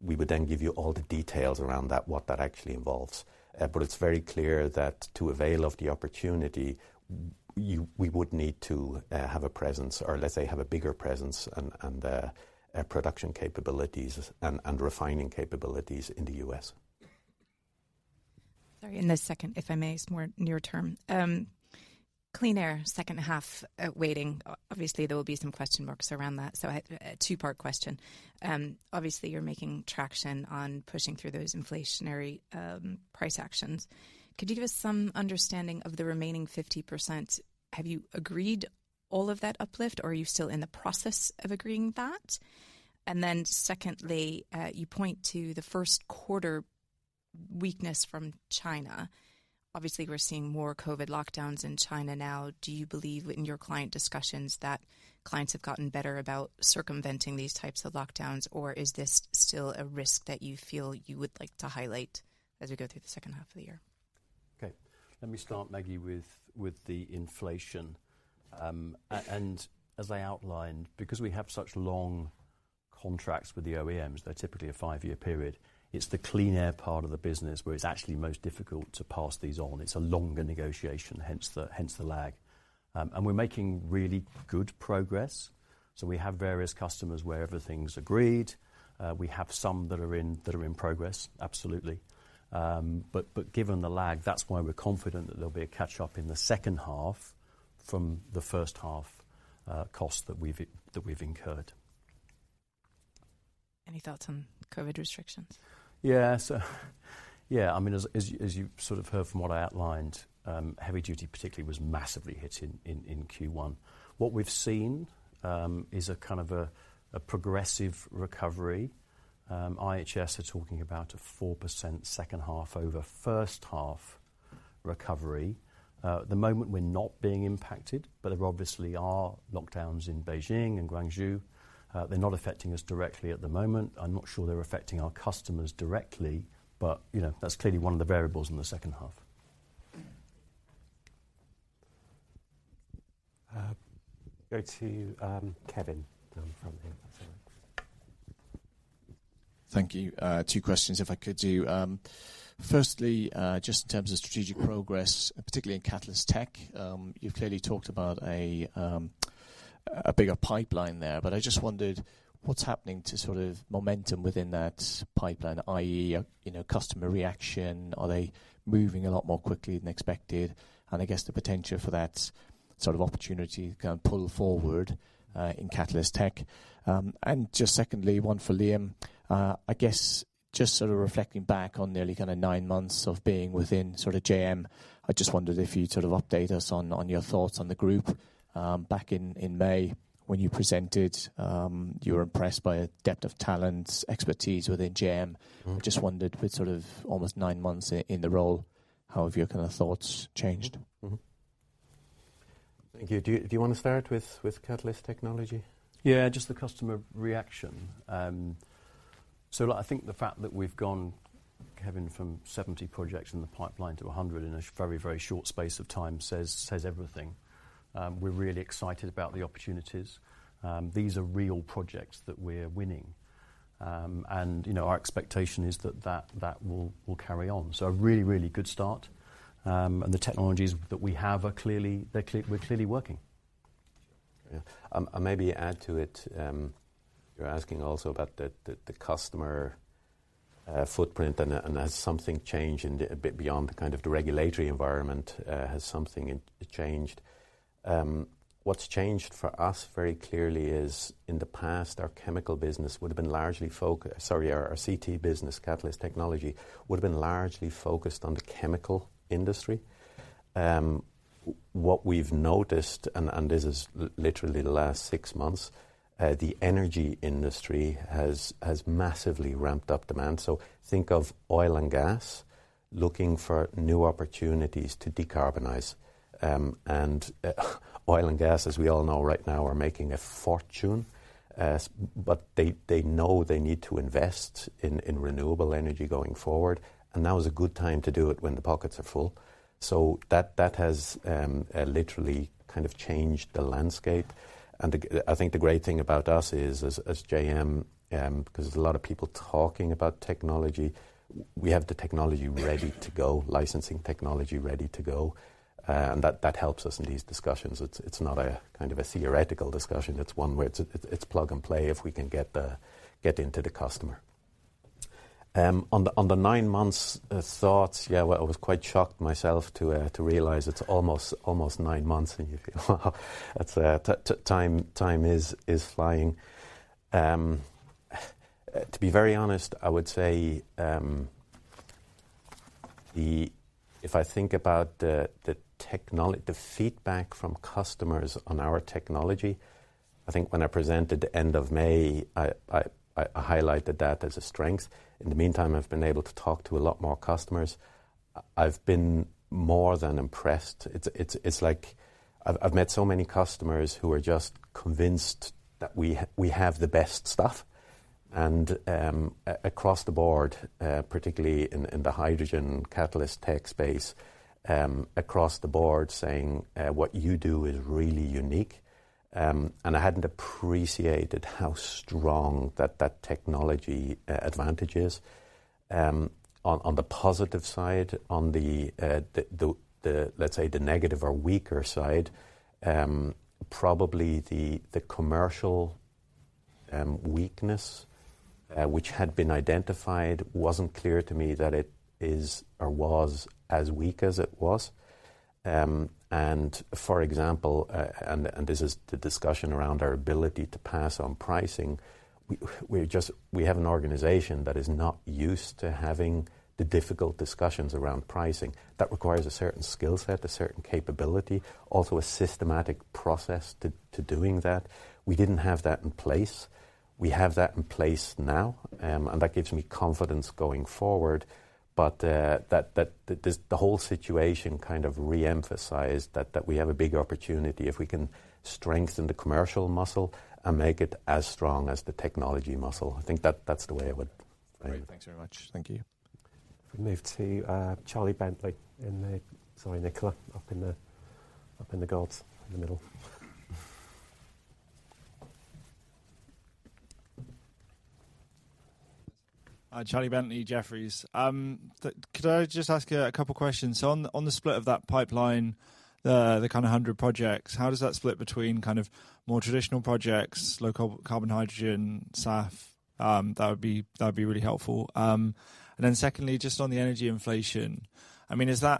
we would then give you all the details around that, what that actually involves. It's very clear that to avail of the opportunity, we would need to have a presence, or let's say have a bigger presence and production capabilities and refining capabilities in the U.S. Sorry, in the second, if I may, it's more near term. Clean Air second half waiting. Obviously there will be some question marks around that, so two-part question. Obviously you're making traction on pushing through those inflationary price actions. Could you give us some understanding of the remaining 50%? Have you agreed all of that uplift, or are you still in the process of agreeing that? Secondly, you point to the first quarter weakness from China. Obviously we're seeing more COVID lockdowns in China now. Do you believe in your client discussions that clients have gotten better about circumventing these types of lockdowns, or is this still a risk that you feel you would like to highlight as we go through the second half of the year? Okay. Let me start, Maggie, with the inflation. As I outlined, because we have such long contracts with the OEMs, they're typically a five year period, it's the Clean Air part of the business where it's actually most difficult to pass these on. It's a longer negotiation, hence the lag. We're making really good progress, so we have various customers where everything's agreed. We have some that are in progress, absolutely. Given the lag, that's why we're confident that there'll be a catch-up in the second half from the first half costs that we've incurred. Any thoughts on COVID restrictions? Yeah. I mean, as you sort of heard from what I outlined, heavy duty particularly was massively hit in Q1. What we've seen is a kind of a progressive recovery. IHS are talking about a 4% second half over first half recovery. At the moment we're not being impacted, but there obviously are lockdowns in Beijing and Guangzhou. They're not affecting us directly at the moment. I'm not sure they're affecting our customers directly, but, you know, that's clearly one of the variables in the second half. Go to Kevin from here. Thank you. Two questions if I could to you. Firstly, just in terms of strategic progress, particularly in Catalyst Tech, you've clearly talked about a bigger pipeline there, but I just wondered what's happening to sort of momentum within that pipeline, i.e., you know, customer reaction, are they moving a lot more quickly than expected? I guess the potential for that sort of opportunity can pull forward in Catalyst Tech. Just secondly, one for Liam. I guess just sort of reflecting back on nearly kinda nine months of being within sort of JM, I just wondered if you'd sort of update us on your thoughts on the group. Back in May when you presented, you were impressed by a depth of talents, expertise within JM. Mm-hmm. I just wondered with sort of almost nine months in the role, how have your kinda thoughts changed? Thank you. Do you wanna start with Catalyst Technology? Yeah, just the customer reaction. I think the fact that we've gone, Kevin, from 70 projects in the pipeline to 100 in a very, very short space of time says everything. We're really excited about the opportunities. These are real projects that we're winning. You know, our expectation is that will carry on. A really good start. The technologies that we have are clearly working. Sure. Yeah. I'll maybe add to it. You're asking also about the customer footprint and has something changed in the beyond the kind of the regulatory environment, has something in changed? What's changed for us very clearly is in the past, our chemical business would've been largely focused. Sorry, our CT business, Catalyst Technologies, would've been largely focused on the chemical industry. What we've noticed, and this is literally the last six months, the energy industry has massively ramped up demand. Think of oil and gas looking for new opportunities to decarbonize. Oil and gas, as we all know right now, are making a fortune. But they know they need to invest in renewable energy going forward, and now is a good time to do it when the pockets are full. That has literally kind of changed the landscape. I think the great thing about us is as JM, 'cause there's a lot of people talking about technology, we have the technology ready to go, licensing technology ready to go, and that helps us in these discussions. It's not a kind of a theoretical discussion. It's one where it's plug and play if we can get into the customer. On the nine months thoughts, I was quite shocked myself to realize it's almost nine months and you feel, wow. Time is flying. To be very honest, I would say, if I think about the feedback from customers on our technology, I think when I presented the end of May, I highlighted that as a strength. I've been able to talk to a lot more customers. I've been more than impressed. It's like I've met so many customers who are just convinced that we have the best stuff. Across the board, particularly in the hydrogen catalyst tech space, across the board saying, "What you do is really unique." I hadn't appreciated how strong that technology advantage is on the positive side. On the let's say the negative or weaker side, probably the commercial weakness which had been identified wasn't clear to me that it is or was as weak as it was. For example, and this is the discussion around our ability to pass on pricing. We're just we have an organization that is not used to having the difficult discussions around pricing. That requires a certain skill set, a certain capability, also a systematic process to doing that. We didn't have that in place. We have that in place now, and that gives me confidence going forward. That the whole situation kind of re-emphasized that we have a big opportunity if we can strengthen the commercial muscle and make it as strong as the technology muscle. I think that's the way I would frame it. Great. Thanks very much. Thank you. We move to, Charlie Bentley in the... Sorry, Nicola. Up in the galleries in the middle. Hi, Charlie Bentley, Jefferies. Could I just ask a couple questions? On the, on the split of that pipeline, the kind of 100 projects, how does that split between kind of more traditional projects, low carbon, hydrogen, SAF? That would be, that'd be really helpful. Secondly, just on the energy inflation, I mean, is there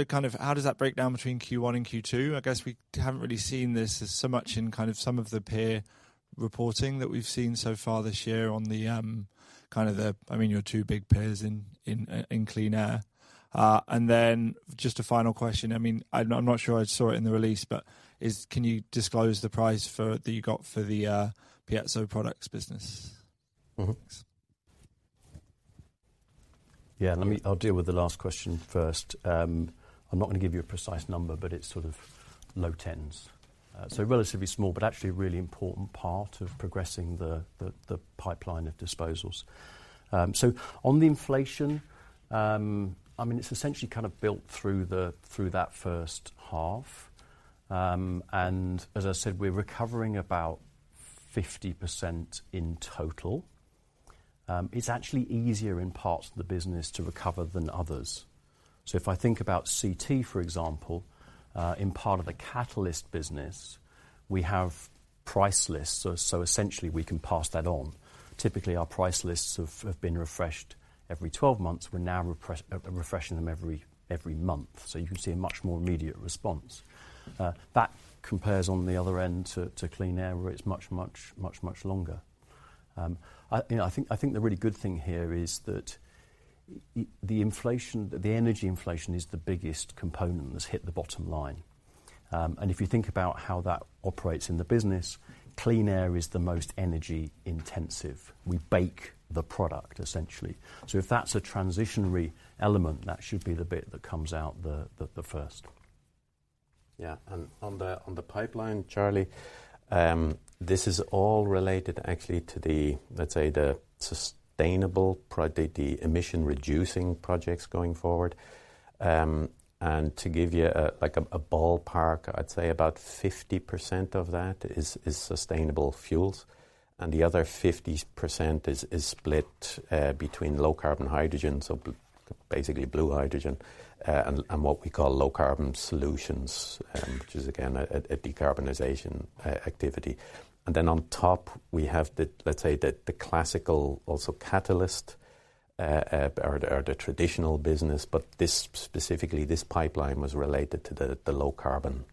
a kind of... How does that break down between Q1 and Q2? I guess we haven't really seen this as so much in kind of some of the peer reporting that we've seen so far this year on the, kind of the, I mean, your two big peers in, in Clean Air. Just a final question. I mean, I'm not sure I saw it in the release, but can you disclose the price that you got for the Piezo Products business? Mm-hmm. Thanks. Yeah. Yeah. I'll deal with the last question first. I'm not gonna give you a precise number, but it's sort of low tens. Okay. Relatively small, but actually a really important part of progressing the pipeline of disposals. On the inflation, I mean, it's essentially kind of built through that first half. As I said, we're recovering about 50% in total. It's actually easier in parts of the business to recover than others. If I think about CT, for example, in part of the catalyst business, we have price lists, so essentially we can pass that on. Typically, our price lists have been refreshed every 12 months. We're now refreshing them every month. You can see a much more immediate response. That compares on the other end to Clean Air, where it's much longer. I, you know, I think the really good thing here is that the inflation, the energy inflation is the biggest component that's hit the bottom line. If you think about how that operates in the business, Clean Air is the most energy intensive. We bake the product essentially. If that's a transitionary element, that should be the bit that comes out the first. On the pipeline, Charlie, this is all related actually to the, let's say, the sustainable project, the emission reducing projects going forward. To give you a, like a ballpark, I'd say about 50% of that is sustainable fuels, and the other 50% is split between low carbon hydrogen, so basically blue hydrogen, and what we call Low Carbon Solutions, which is again a decarbonization activity. Then on top, we have the, let's say the classical also catalyst or the traditional business, this specifically, this pipeline was related to the low carbon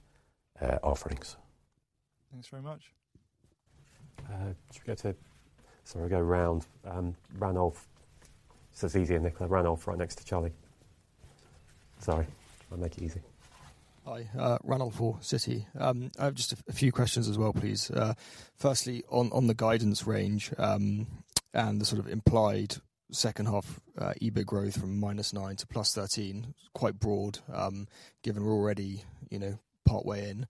offerings. Thanks very much. Sorry, we go round. Ranulf. Sorry, Nicola. Ranulf right next to Charlie. Sorry. I'll make it easy. Hi, Ranulf Orr, Citi. I have just a few questions as well, please. Firstly on the guidance range, and the sort of implied second half EBIT growth from -9% to +13%. Quite broad, given we're already, you know, partway in.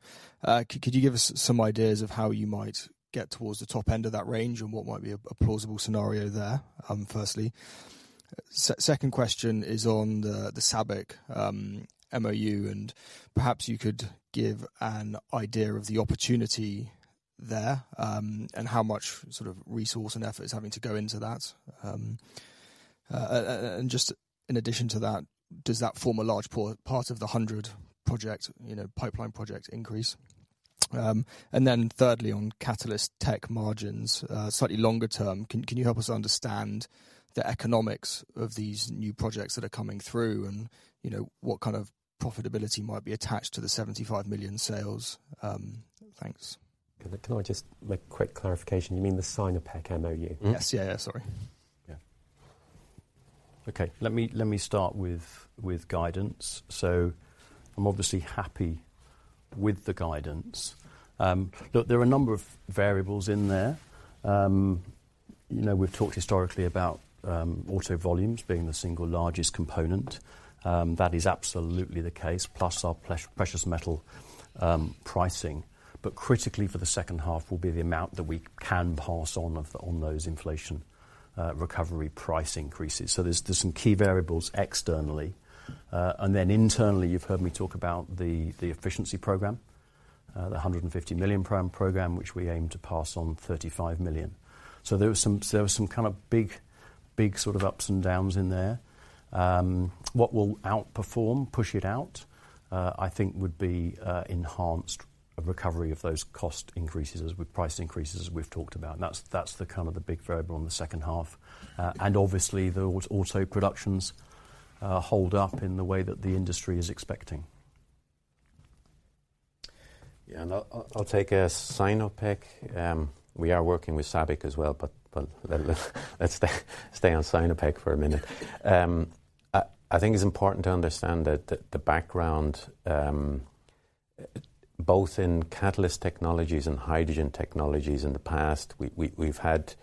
Could you give us some ideas of how you might get towards the top end of that range and what might be a plausible scenario there, firstly? Second question is on the SABIC MOU, and perhaps you could give an idea of the opportunity there, and how much sort of resource and effort is having to go into that. Just in addition to that, does that form a large part of the 100 project, you know, pipeline project increase? Thirdly, on Catalyst Tech margins, slightly longer term, can you help us understand the economics of these new projects that are coming through and, you know, what kind of profitability might be attached to the 75 million sales? Thanks. Can I just make a quick clarification? You mean the Sinopec MOU? Yes. Yeah, yeah. Sorry. Yeah. Okay. Let me start with guidance. I'm obviously happy with the guidance. Look, there are a number of variables in there. you know, we've talked historically about auto volumes being the single largest component. That is absolutely the case, plus our precious metal pricing. Critically for the second half will be the amount that we can pass on of, on those inflation recovery price increases. There's some key variables externally. Then internally, you've heard me talk about the efficiency program. The 150 million pound program, which we aim to pass on 35 million. There was some kind of big sort of ups and downs in there. What will outperform, push it out, I think would be enhanced recovery of those cost increases as with price increases we've talked about, and that's the kind of the big variable in the second half. Obviously will auto productions hold up in the way that the industry is expecting? Yeah. I'll take Sinopec. We are working with SABIC as well, but let's stay on Sinopec for a minute. I think it's important to understand that the background, both in Catalyst Technologies and Hydrogen Technologies in the past, we've had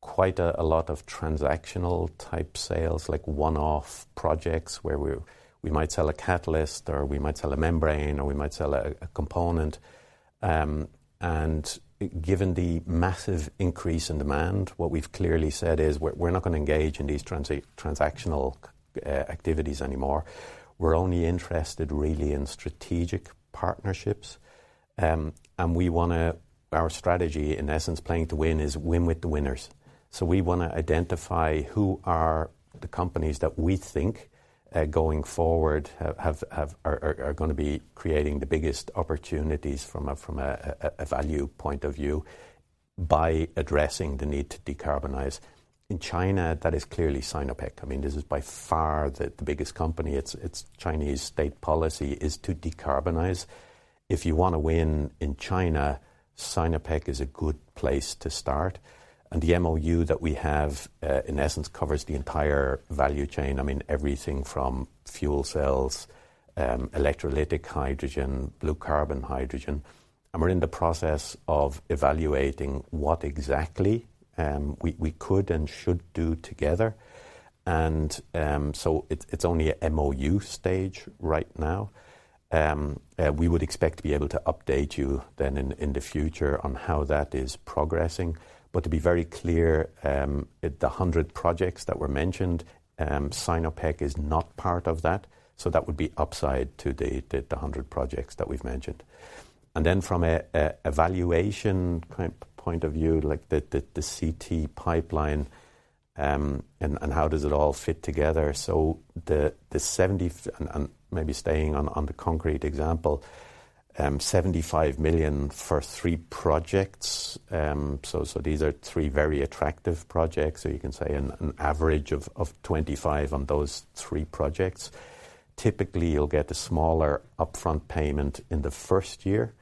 quite a lot of transactional type sales, like one-off projects where we might sell a catalyst or we might sell a membrane or we might sell a component. Given the massive increase in demand, what we've clearly said is we're not gonna engage in these transactional activities anymore. We're only interested really in strategic partnerships. Our strategy in essence playing to win is win with the winners. We wanna identify who are the companies that we think, going forward have... are gonna be creating the biggest opportunities from a value point of view by addressing the need to decarbonize. In China, that is clearly Sinopec. I mean this is by far the biggest company. It's Chinese state policy is to decarbonize. If you wanna win in China, Sinopec is a good place to start. The MOU that we have in essence covers the entire value chain. I mean everything from fuel cells, electrolytic hydrogen, low carbon blue hydrogen. We're in the process of evaluating what exactly we could and should do together. So it's only a MOU stage right now. We would expect to be able to update you then in the future on how that is progressing. To be very clear, the 100 projects that were mentioned, Sinopec is not part of that, so that would be upside to the 100 projects that we've mentioned. From an evaluation kind point of view, like the CT pipeline, and how does it all fit together. The 70... and maybe staying on the concrete example, 75 million for three projects. These are three very attractive projects. You can say an average of 25 million on those three projects. Typically, you'll get a smaller upfront payment in the first year,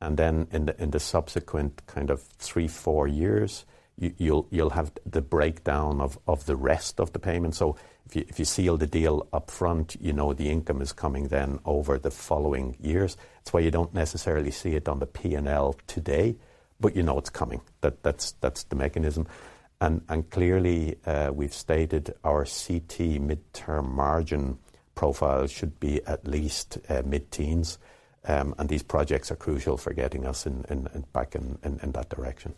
and then in the subsequent kind of three to four years, you'll have the breakdown of the rest of the payment. If you, if you seal the deal upfront, you know the income is coming then over the following years. That's why you don't necessarily see it on the P&L today, but you know it's coming. That's the mechanism. Clearly, we've stated our CT midterm margin profile should be at least mid-teens. These projects are crucial for getting us back in that direction.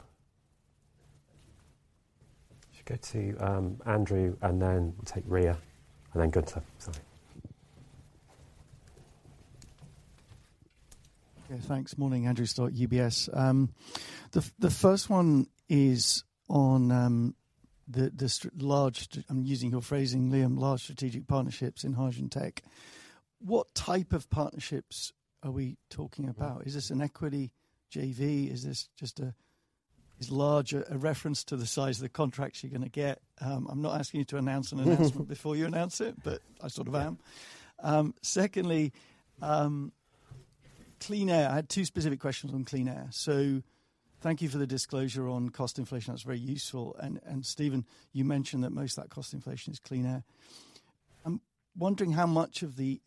Should we go to, Andrew, and then take Riya, and then Gunther. Sorry. Okay. Thanks. Morning, Andrew Stott, UBS. The large, I'm using your phrasing, Liam, large strategic partnerships in Hydrogen Tech. What type of partnerships are we talking about? Is this an equity JV? Is large a reference to the size of the contracts you're gonna get? I'm not asking you to announce an announcement before you announce it, but I sort of am. Secondly, Clean Air. I had two specific questions on Clean Air. Thank you for the disclosure on cost inflation. That's very useful. And Stephen, you mentioned that most of that cost inflation is Clean Air. I'm wondering how much of the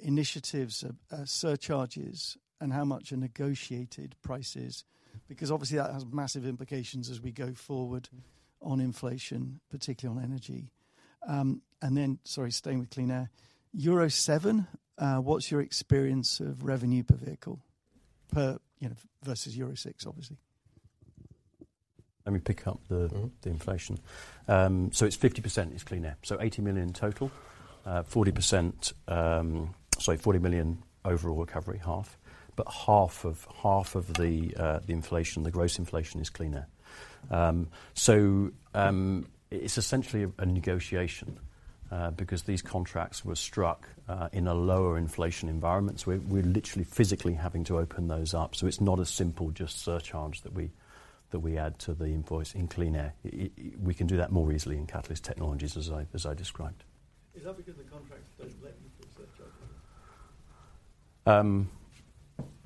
initiatives are surcharges and how much are negotiated prices, because obviously that has massive implications as we go forward on inflation, particularly on energy. Sorry, staying with Clean Air. Euro 7, what's your experience of revenue per vehicle per, you know, versus Euro 6 obviously? Let me pick up. Mm-hmm ...the inflation. It's 50% is Clean Air, 80 million in total. 40%, sorry, 40 million overall recovery half, but half of the inflation, the gross inflation is Clean Air. It's essentially a negotiation because these contracts were struck in a lower inflation environment. We're literally physically having to open those up. It's not a simple just surcharge that we add to the invoice in Clean Air. We can do that more easily in Catalyst Technologies, as I described. Is that because the contract doesn't let you put surcharges in?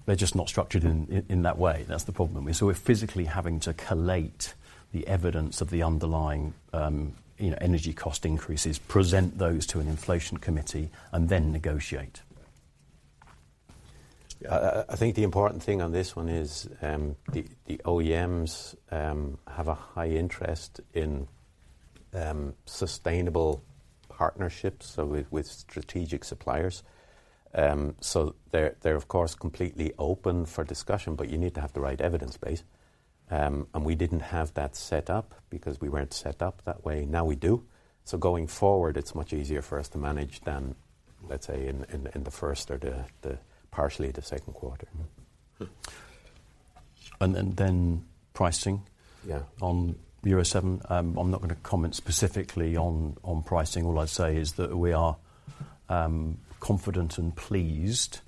They're just not structured in that way. That's the problem. We're physically having to collate the evidence of the underlying, you know, energy cost increases, present those to an inflation committee and then negotiate. I think the important thing on this one is the OEMs have a high interest in sustainable partnerships, so with strategic suppliers. They're of course completely open for discussion, but you need to have the right evidence base. We didn't have that set up because we weren't set up that way. Now we do. Going forward, it's much easier for us to manage than, let's say, in the first or the partially the second quarter. Pricing. Yeah. on Euro 7. I'm not gonna comment specifically on pricing. All I'd say is that we are confident and pleased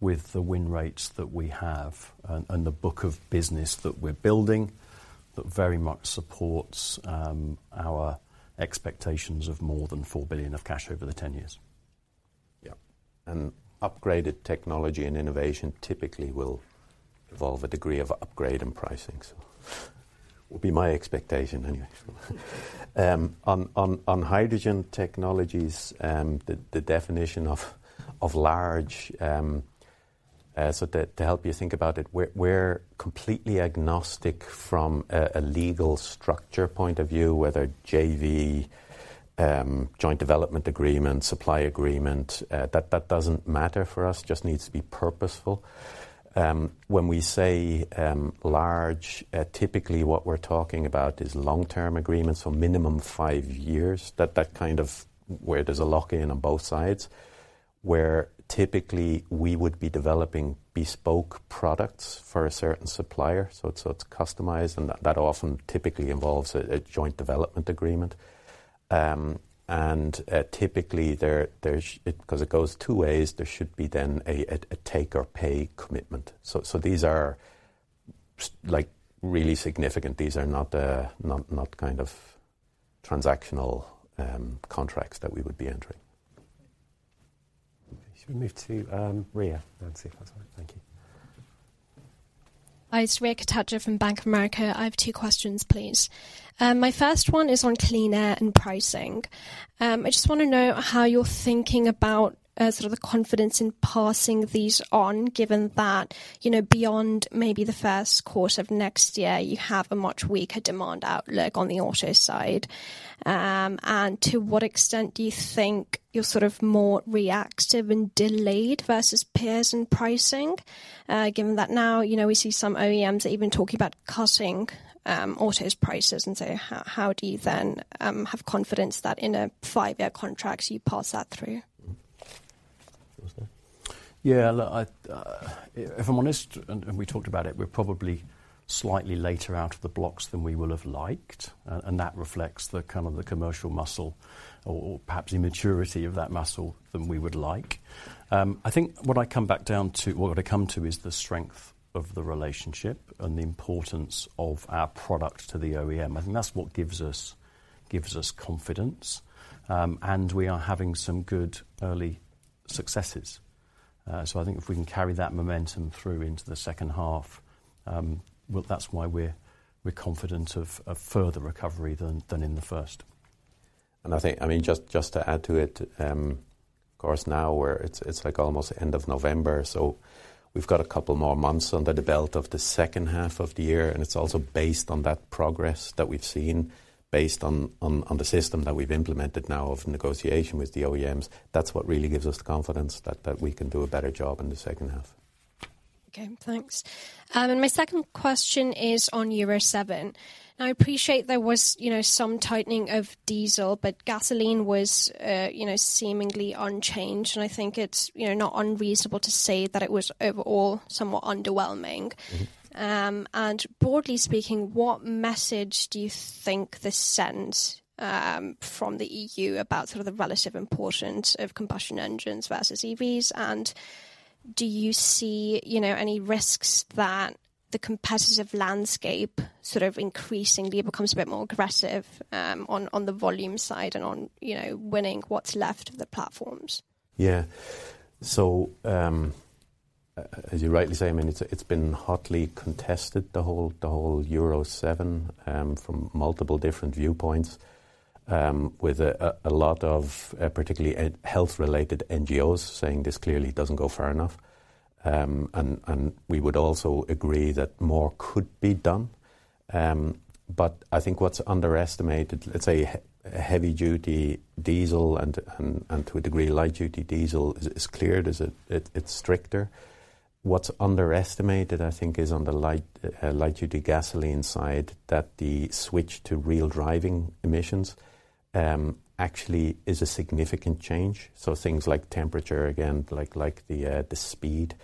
with the win rates that we have and the book of business that we're building that very much supports our expectations of more than 4 billion of cash over the 10 years. Yeah. Upgraded technology and innovation typically will involve a degree of upgrade in pricing. That would be my expectation anyway. On Hydrogen Technologies, the definition of large. To help you think about it, we're completely agnostic from a legal structure point of view, whether JV, joint development agreement, supply agreement, that doesn't matter for us, just needs to be purposeful. When we say large, typically what we're talking about is long-term agreements for minimum five years that kind of where there's a lock-in on both sides, where typically we would be developing bespoke products for a certain supplier. It's customized, and that often typically involves a joint development agreement. Typically there's 'cause it goes two ways, there should be then a take-or-pay commitment. These are like really significant. These are not kind of transactional contracts that we would be entering. Should we move to, Riya? Nancy, if that's all right. Thank you. Hi. It's Riya Kotecha from Bank of America. I have two questions, please. My first one is on Clean Air and pricing. I just wanna know how you're thinking about sort of the confidence in passing these on, given that, you know, beyond maybe the first quarter of next year you have a much weaker demand outlook on the auto side. To what extent do you think you're sort of more reactive and delayed versus peers in pricing, given that now, you know, we see some OEMs even talking about cutting autos prices, how do you then have confidence that in a five-year contract you pass that through? Do you want to start? Yeah. Look, I, if I'm honest, we talked about it, we're probably slightly later out of the blocks than we will have liked. That reflects the kind of the commercial muscle or perhaps immaturity of that muscle than we would like. I think what I come back down to or what I come to is the strength of the relationship and the importance of our product to the OEM, and that's what gives us confidence. We are having some good early successes. I think if we can carry that momentum through into the second half, well, that's why we're confident of further recovery than in the first. I think, I mean, just to add to it, of course now it's like almost end of November. We've got a couple more months under the belt of the second half of the year. It's also based on that progress that we've seen based on the system that we've implemented now of negotiation with the OEMs. That's what really gives us the confidence that we can do a better job in the second half. Okay, thanks. My second question is on Euro 7. Now, I appreciate there was, you know, some tightening of diesel, but gasoline was, you know, seemingly unchanged, and I think it's, you know, not unreasonable to say that it was overall somewhat underwhelming. Mm-hmm. Broadly speaking, what message do you think this sends from the EU about sort of the relative importance of combustion engines versus EVs, and do you see, you know, any risks that the competitive landscape sort of increasingly becomes a bit more aggressive on the volume side and on, you know, winning what's left of the platforms? As you rightly say, I mean, it's been hotly contested, the whole, the whole Euro 7, from multiple different viewpoints, with a lot of particularly health related NGOs saying this clearly doesn't go far enough. We would also agree that more could be done. I think what's underestimated, let's say heavy-duty diesel and to a degree, light-duty diesel is, it's stricter. What's underestimated, I think, is on the light-duty gasoline side, that the switch to real driving emissions actually is a significant change. Things like temperature, again, like the speed,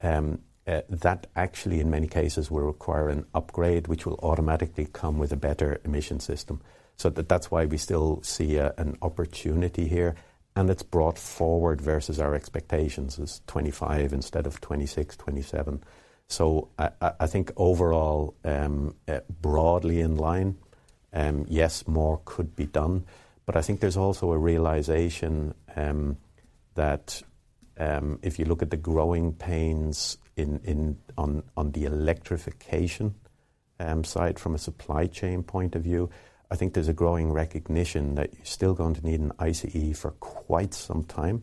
that actually in many cases will require an upgrade, which will automatically come with a better emission system. That's why we still see an opportunity here, and it's brought forward versus our expectations as 2025 instead of 2026, 2027. I think overall, broadly in line, yes, more could be done, but I think there's also a realization that if you look at the growing pains on the electrification side from a supply chain point of view, I think there's a growing recognition that you're still going to need an ICE for quite some time,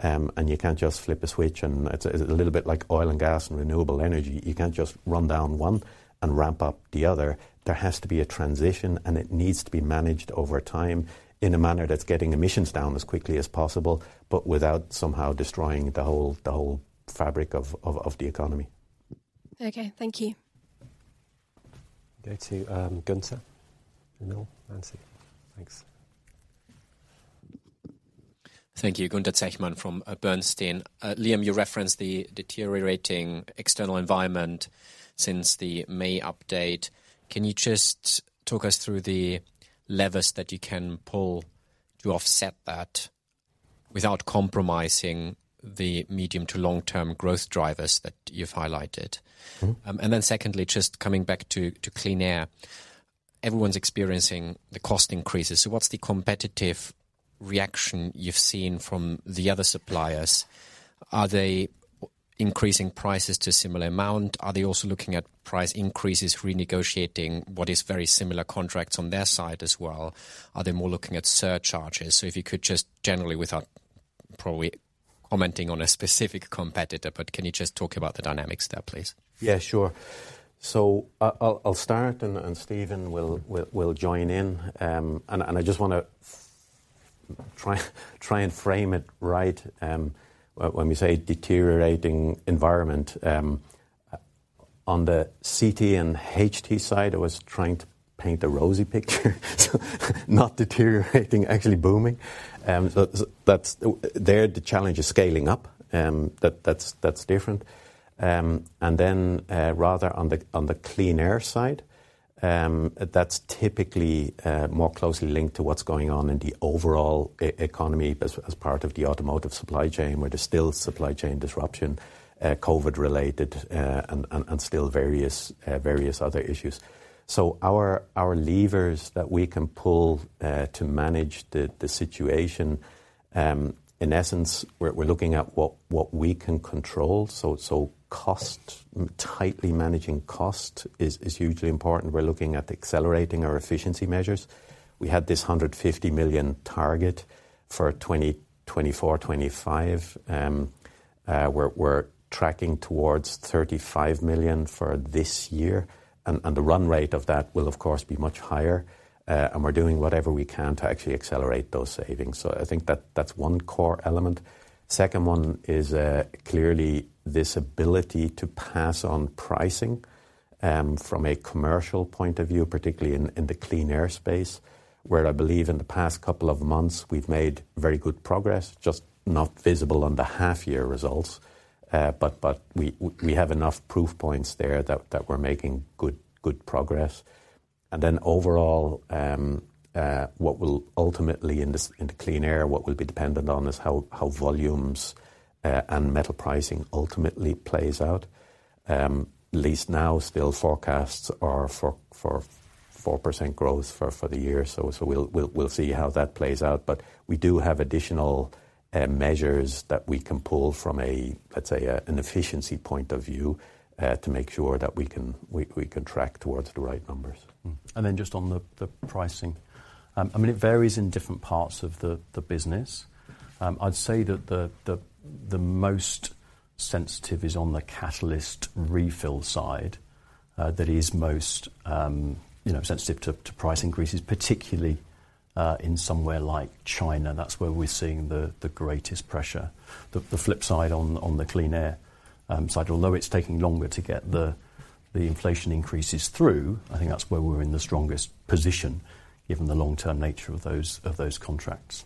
and you can't just flip a switch. It's a little bit like oil and gas and renewable energy. You can't just run down one and ramp up the other. There has to be a transition, and it needs to be managed over time in a manner that's getting emissions down as quickly as possible, but without somehow destroying the whole, the whole fabric of, of the economy. Okay. Thank you. Go to, Gunther in the middle. Nancy, thanks. Thank you. Gunther Zechmann from Bernstein. Liam, you referenced the deteriorating external environment since the May update. Can you just talk us through the levers that you can pull to offset that without compromising the medium to long-term growth drivers that you've highlighted? Mm-hmm. Secondly, just coming back to Clean Air. Everyone's experiencing the cost increases. What's the competitive reaction you've seen from the other suppliers? Are they increasing prices to a similar amount? Are they also looking at price increases, renegotiating what is very similar contracts on their side as well? Are they more looking at surcharges? If you could just generally, without probably commenting on a specific competitor, but can you just talk about the dynamics there, please? Yeah, sure. I'll start and Stephen will join in. And I just wanna try and frame it right, when we say deteriorating environment. On the CT and HT side, I was trying to paint a rosy picture, so not deteriorating, actually booming. So there, the challenge is scaling up. That's different. Rather on the Clean Air side, that's typically more closely linked to what's going on in the overall economy as part of the automotive supply chain, where there's still supply chain disruption, COVID related, and still various other issues. Our levers that we can pull to manage the situation, in essence, we're looking at what we can control. Cost, tightly managing cost is hugely important. We're looking at accelerating our efficiency measures. We had this 150 million target for 2024, 2025. We're tracking towards 35 million for this year. The run rate of that will of course be much higher. We're doing whatever we can to actually accelerate those savings. I think that that's one core element. Second one is clearly this ability to pass on pricing from a commercial point of view, particularly in the Clean Air space, where I believe in the past couple of months, we've made very good progress, just not visible on the half-year results. We have enough proof points there that we're making good progress. Overall, what will ultimately in the Clean Air, what we'll be dependent on is how volumes and metal pricing ultimately plays out. At least now still forecasts are for 4% growth for the year. We'll see how that plays out. We do have additional measures that we can pull from a, let's say, an efficiency point of view, to make sure that we can track towards the right numbers. Just on the pricing. I mean, it varies in different parts of the business. I'd say that the, the most sensitive is on the catalyst refill side. That is most, you know, sensitive to price increases, particularly, in somewhere like China. That's where we're seeing the greatest pressure. The, the flip side on the Clean Air side, although it's taking longer to get the inflation increases through, I think that's where we're in the strongest position, given the long-term nature of those, of those contracts.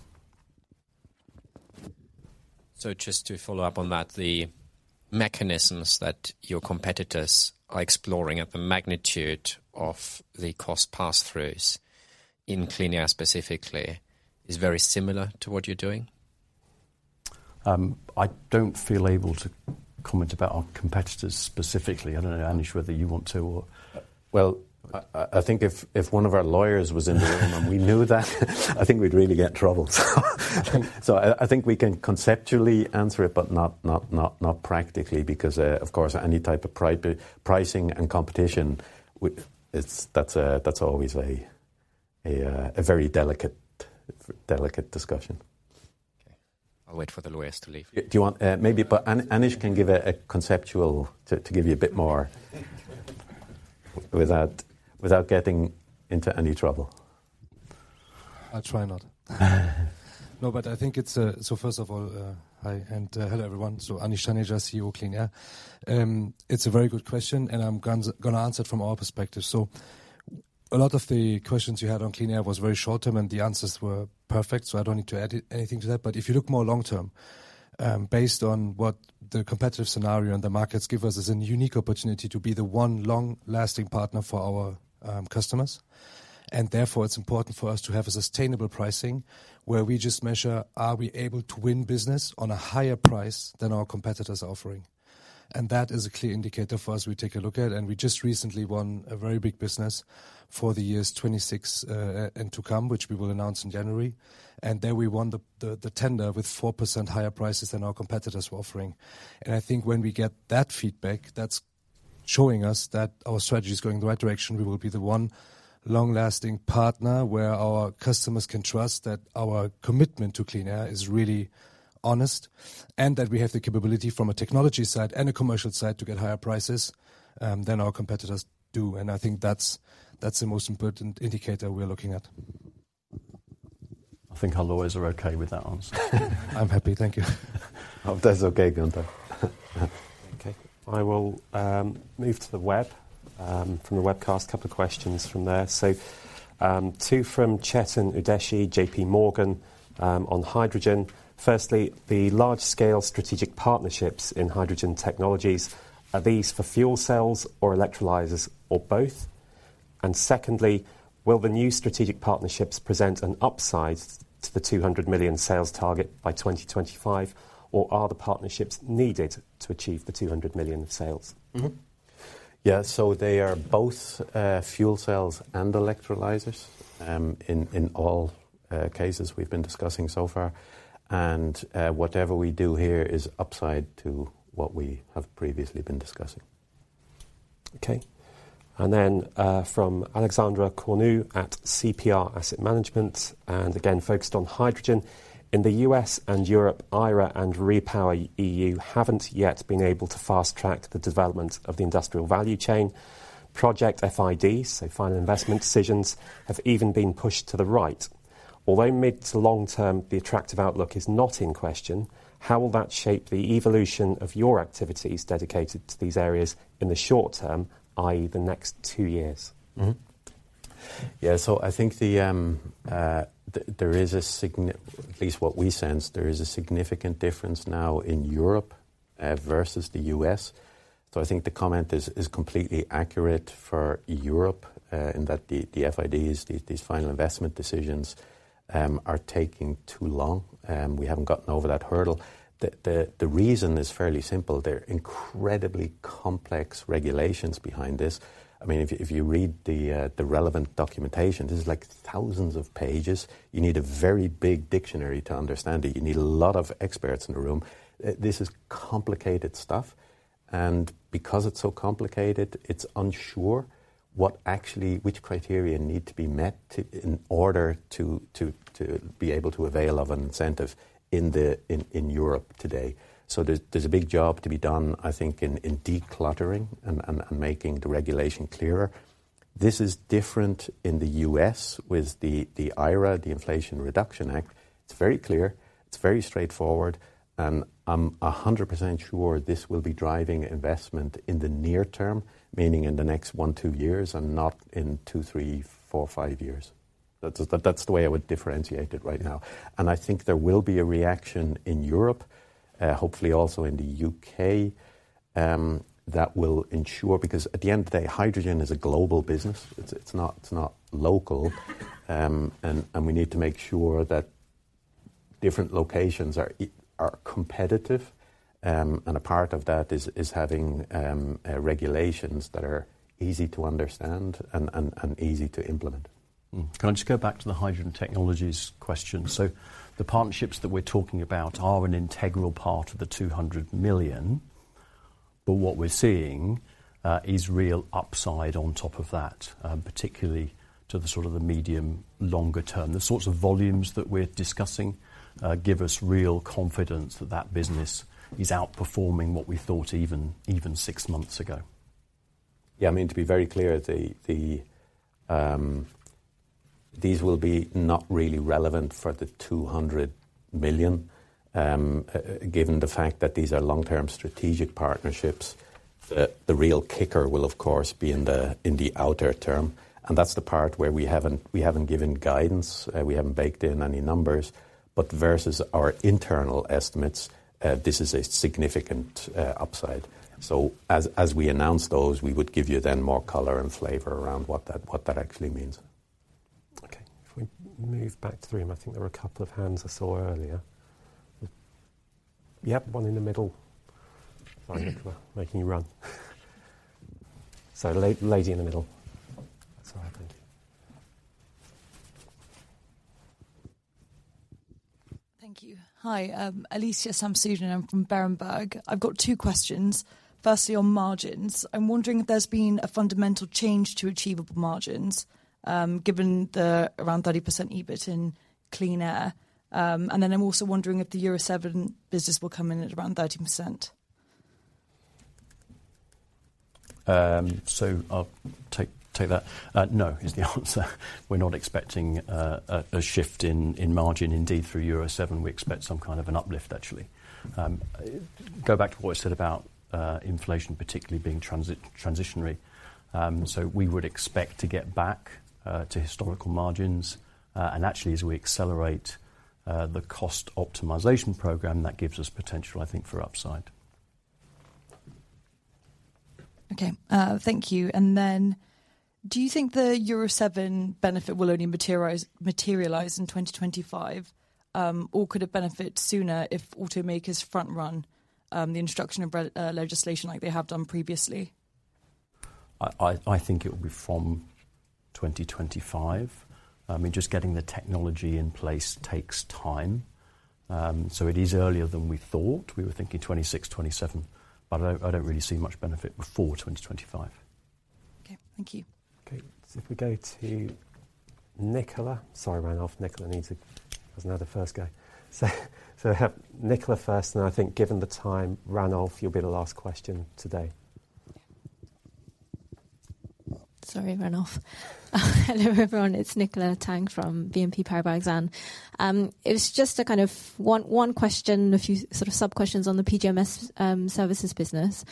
Just to follow up on that. The mechanisms that your competitors are exploring at the magnitude of the cost pass-throughs in Clean Air specifically is very similar to what you're doing? I don't feel able to comment about our competitors specifically. I don't know, Anish, whether you want to or... Well, I think if one of our lawyers was in the room and we knew that, I think we'd really get in trouble. I think we can conceptually answer it, but not practically because of course, any type of pricing and competition it's that's always a very delicate discussion. Okay. I'll wait for the lawyers to leave. Do you want? Maybe, Anish can give a conceptual to give you a bit more without getting into any trouble. I'll try not. No, but I think it's. First of all, hi, and hello, everyone. Anish Taneja, CEO of Clean Air. It's a very good question, and I'm gonna answer it from our perspective. A lot of the questions you had on Clean Air was very short-term, and the answers were perfect, so I don't need to add anything to that. If you look more long-term, based on what the competitive scenario and the markets give us is a unique opportunity to be the one long-lasting partner for our customers. Therefore, it's important for us to have a sustainable pricing where we just measure, are we able to win business on a higher price than our competitors are offering? That is a clear indicator for us we take a look at. We just recently won a very big business for the years 2026 and to come, which we will announce in January. There we won the tender with 4% higher prices than our competitors were offering. I think when we get that feedback, that's showing us that our strategy is going the right direction. We will be the one long-lasting partner where our customers can trust that our commitment to Clean Air is really honest, and that we have the capability from a technology side and a commercial side to get higher prices than our competitors do. I think that's the most important indicator we are looking at. I think our lawyers are okay with that answer. I'm happy. Thank you. Oh, that's okay, Gunther. Okay. I will move to the web from the webcast, a couple of questions from there. Two from Chetan Udeshi, JP Morgan, on hydrogen. Firstly, the large scale strategic partnerships in Hydrogen Technologies, are these for fuel cells or electrolyzers or both? Secondly, will the new strategic partnerships present an upside to the 200 million sales target by 2025, or are the partnerships needed to achieve the 200 million sales? Yeah. They are both fuel cells and electrolyzers, in all cases we've been discussing so far. Whatever we do here is upside to what we have previously been discussing. Okay. From Alexandre Cornu at CPR Asset Management, and again focused on hydrogen. In the U.S. and Europe, IRA and REPowerEU haven't yet been able to fast-track the development of the industrial value chain. Project FID, so final investment decisions, have even been pushed to the right. Although mid to long term, the attractive outlook is not in question, how will that shape the evolution of your activities dedicated to these areas in the short term, i.e., the next two years? Yeah. I think the, at least what we sense, there is a significant difference now in Europe versus the U.S. I think the comment is completely accurate for Europe in that the FIDs, these final investment decisions, are taking too long, and we haven't gotten over that hurdle. The reason is fairly simple. There are incredibly complex regulations behind this. I mean, if you read the relevant documentation, this is like thousands of pages. You need a very big dictionary to understand it. You need a lot of experts in the room. This is complicated stuff. Because it's so complicated, it's unsure what which criteria need to be met to in order to be able to avail of an incentive in Europe today. There's a big job to be done, I think, in decluttering and making the regulation clearer. This is different in the U.S. with the IRA, the Inflation Reduction Act. It's very clear. It's very straightforward. I'm 100% sure this will be driving investment in the near term, meaning in the next one, two years, and not in two, three, four, five years. That's the way I would differentiate it right now. I think there will be a reaction in Europe, hopefully also in the U.K., that will ensure... Because at the end of the day, hydrogen is a global business. It's not local. We need to make sure that different locations are competitive. A part of that is having regulations that are easy to understand and easy to implement. Can I just go back to the Hydrogen Technologies question? The partnerships that we're talking about are an integral part of the 200 million. What we're seeing is real upside on top of that, particularly to the sort of the medium longer term. The sorts of volumes that we're discussing give us real confidence that that business is outperforming what we thought even six months ago. Yeah. I mean, to be very clear, the these will be not really relevant for the 200 million, given the fact that these are long-term strategic partnerships. The real kicker will, of course, be in the outer term, and that's the part where we haven't given guidance, we haven't baked in any numbers. Versus our internal estimates, this is a significant upside. As we announce those, we would give you then more color and flavor around what that actually means. Okay. If we move back through, and I think there were a couple of hands I saw earlier. Yep, one in the middle. Sorry, Nicola. Making you run. Lady in the middle. Sorry. Thank you. Thank you. Hi, Alycia Samsudin, I'm from Berenberg. I've got two questions. Firstly, on margins. I'm wondering if there's been a fundamental change to achievable margins, given the around 30% EBIT in Clean Air. Then I'm also wondering if the Euro 7 business will come in at around 30%. I'll take that. No, is the answer. We're not expecting a shift in margin. Through Euro 7, we expect some kind of an uplift, actually. Go back to what I said about inflation particularly being transitionary. We would expect to get back to historical margins. Actually, as we accelerate the cost optimization program, that gives us potential, I think, for upside. Okay. Thank you. Do you think the Euro 7 benefit will only materialize in 2025? Or could it benefit sooner if automakers front run, the introduction of legislation like they have done previously? I think it will be from 2025. I mean, just getting the technology in place takes time. It is earlier than we thought. We were thinking 2026, 2027, but I don't really see much benefit before 2025. Okay. Thank you. Okay. If we go to Nicola. Sorry, Ranulf. Nicola needs a... Wasn't there the first go. Have Nicola first, then I think given the time, Ranulf, you'll be the last question today. Sorry, Ranulf. Hello everyone, it's Nicola Tang from BNP Paribas Exane. It was just a kind of one question, a few sort of sub-questions on the PGMS services business.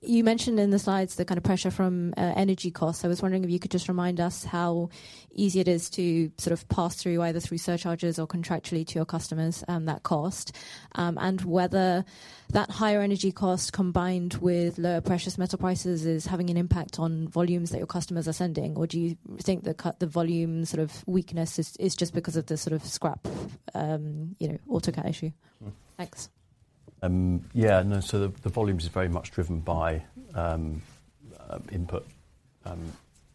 You mentioned in the slides the kind of pressure from energy costs. I was wondering if you could just remind us how easy it is to sort of pass through, either through surcharges or contractually to your customers, that cost, and whether that higher energy cost combined with lower precious metal prices is having an impact on volumes that your customers are sending. Do you think the volume sort of weakness is just because of the sort of scrap, you know, autocat issue? Thanks. Yeah. No. The volume is very much driven by input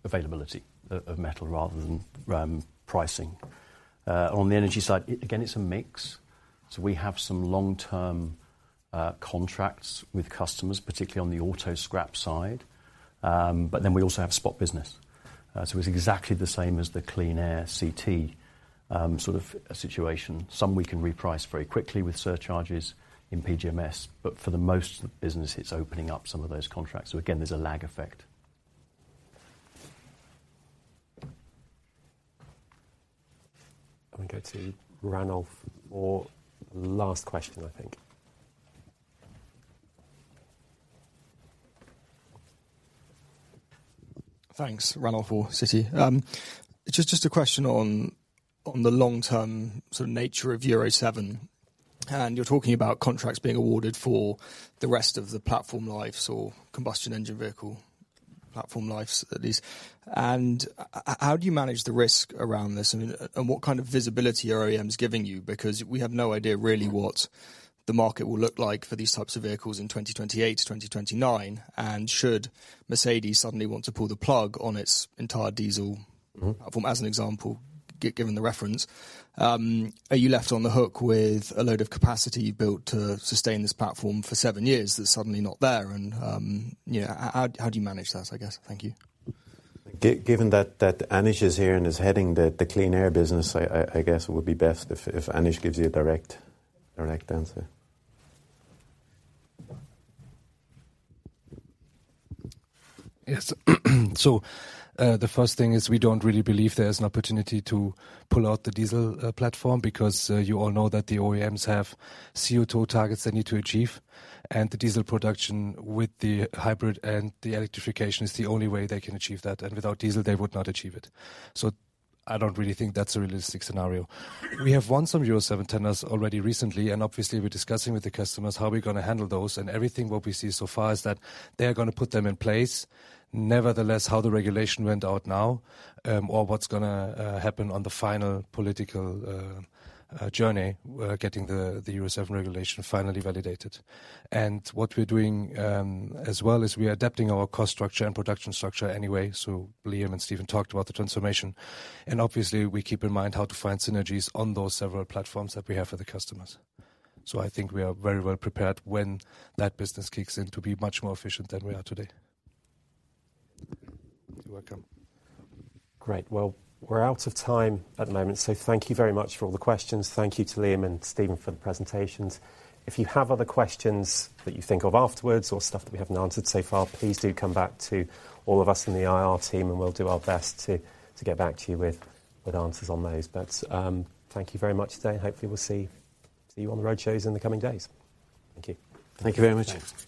availability of metal rather than pricing. On the energy side, again, it's a mix. We have some long-term contracts with customers, particularly on the auto scrap side. We also have spot business. It's exactly the same as the Clean Air CT sort of situation. Some we can reprice very quickly with surcharges in PGMS, but for the most of the business, it's opening up some of those contracts. Again, there's a lag effect. I'm gonna go to Ranulf Orr. Last question, I think. Thanks. Ranulf Orr, Citi. Just a question on the long-term sort of nature of Euro 7. You're talking about contracts being awarded for the rest of the platform lives or combustion engine vehicle platform lives, at least. How do you manage the risk around this? What kind of visibility are OEMs giving you? Because we have no idea really what the market will look like for these types of vehicles in 2028 to 2029. Should Mercedes suddenly want to pull the plug on its entire diesel- Mm-hmm ...platform, as an example, given the reference, are you left on the hook with a load of capacity built to sustain this platform for seven years that's suddenly not there? You know, how'd, how do you manage that, I guess? Thank you. Given that Anish is here and is heading the Clean Air business, I guess it would be best if Anish gives you a direct answer. Yes. The first thing is we don't really believe there is an opportunity to pull out the diesel platform because you all know that the OEMs have CO2 targets they need to achieve. The diesel production with the hybrid and the electrification is the only way they can achieve that, and without diesel, they would not achieve it. I don't really think that's a realistic scenario. We have won some Euro 7 tenders already recently, and obviously we're discussing with the customers how we're gonna handle those. Everything what we see so far is that they're gonna put them in place. Nevertheless, how the regulation went out now, or what's gonna happen on the final political journey, getting the Euro 7 regulation finally validated. What we're doing as well is we're adapting our cost structure and production structure anyway, so Liam and Stephen talked about the transformation. Obviously we keep in mind how to find synergies on those several platforms that we have for the customers. I think we are very well prepared when that business kicks in to be much more efficient than we are today. You're welcome. Great. We're out of time at the moment. Thank you very much for all the questions. Thank you to Liam and Stephen for the presentations. If you have other questions that you think of afterwards or stuff that we haven't answered so far, please do come back to all of us in the IR team and we'll do our best to get back to you with answers on those. Thank you very much today. Hopefully we'll see you on the roadshows in the coming days. Thank you. Thank you very much.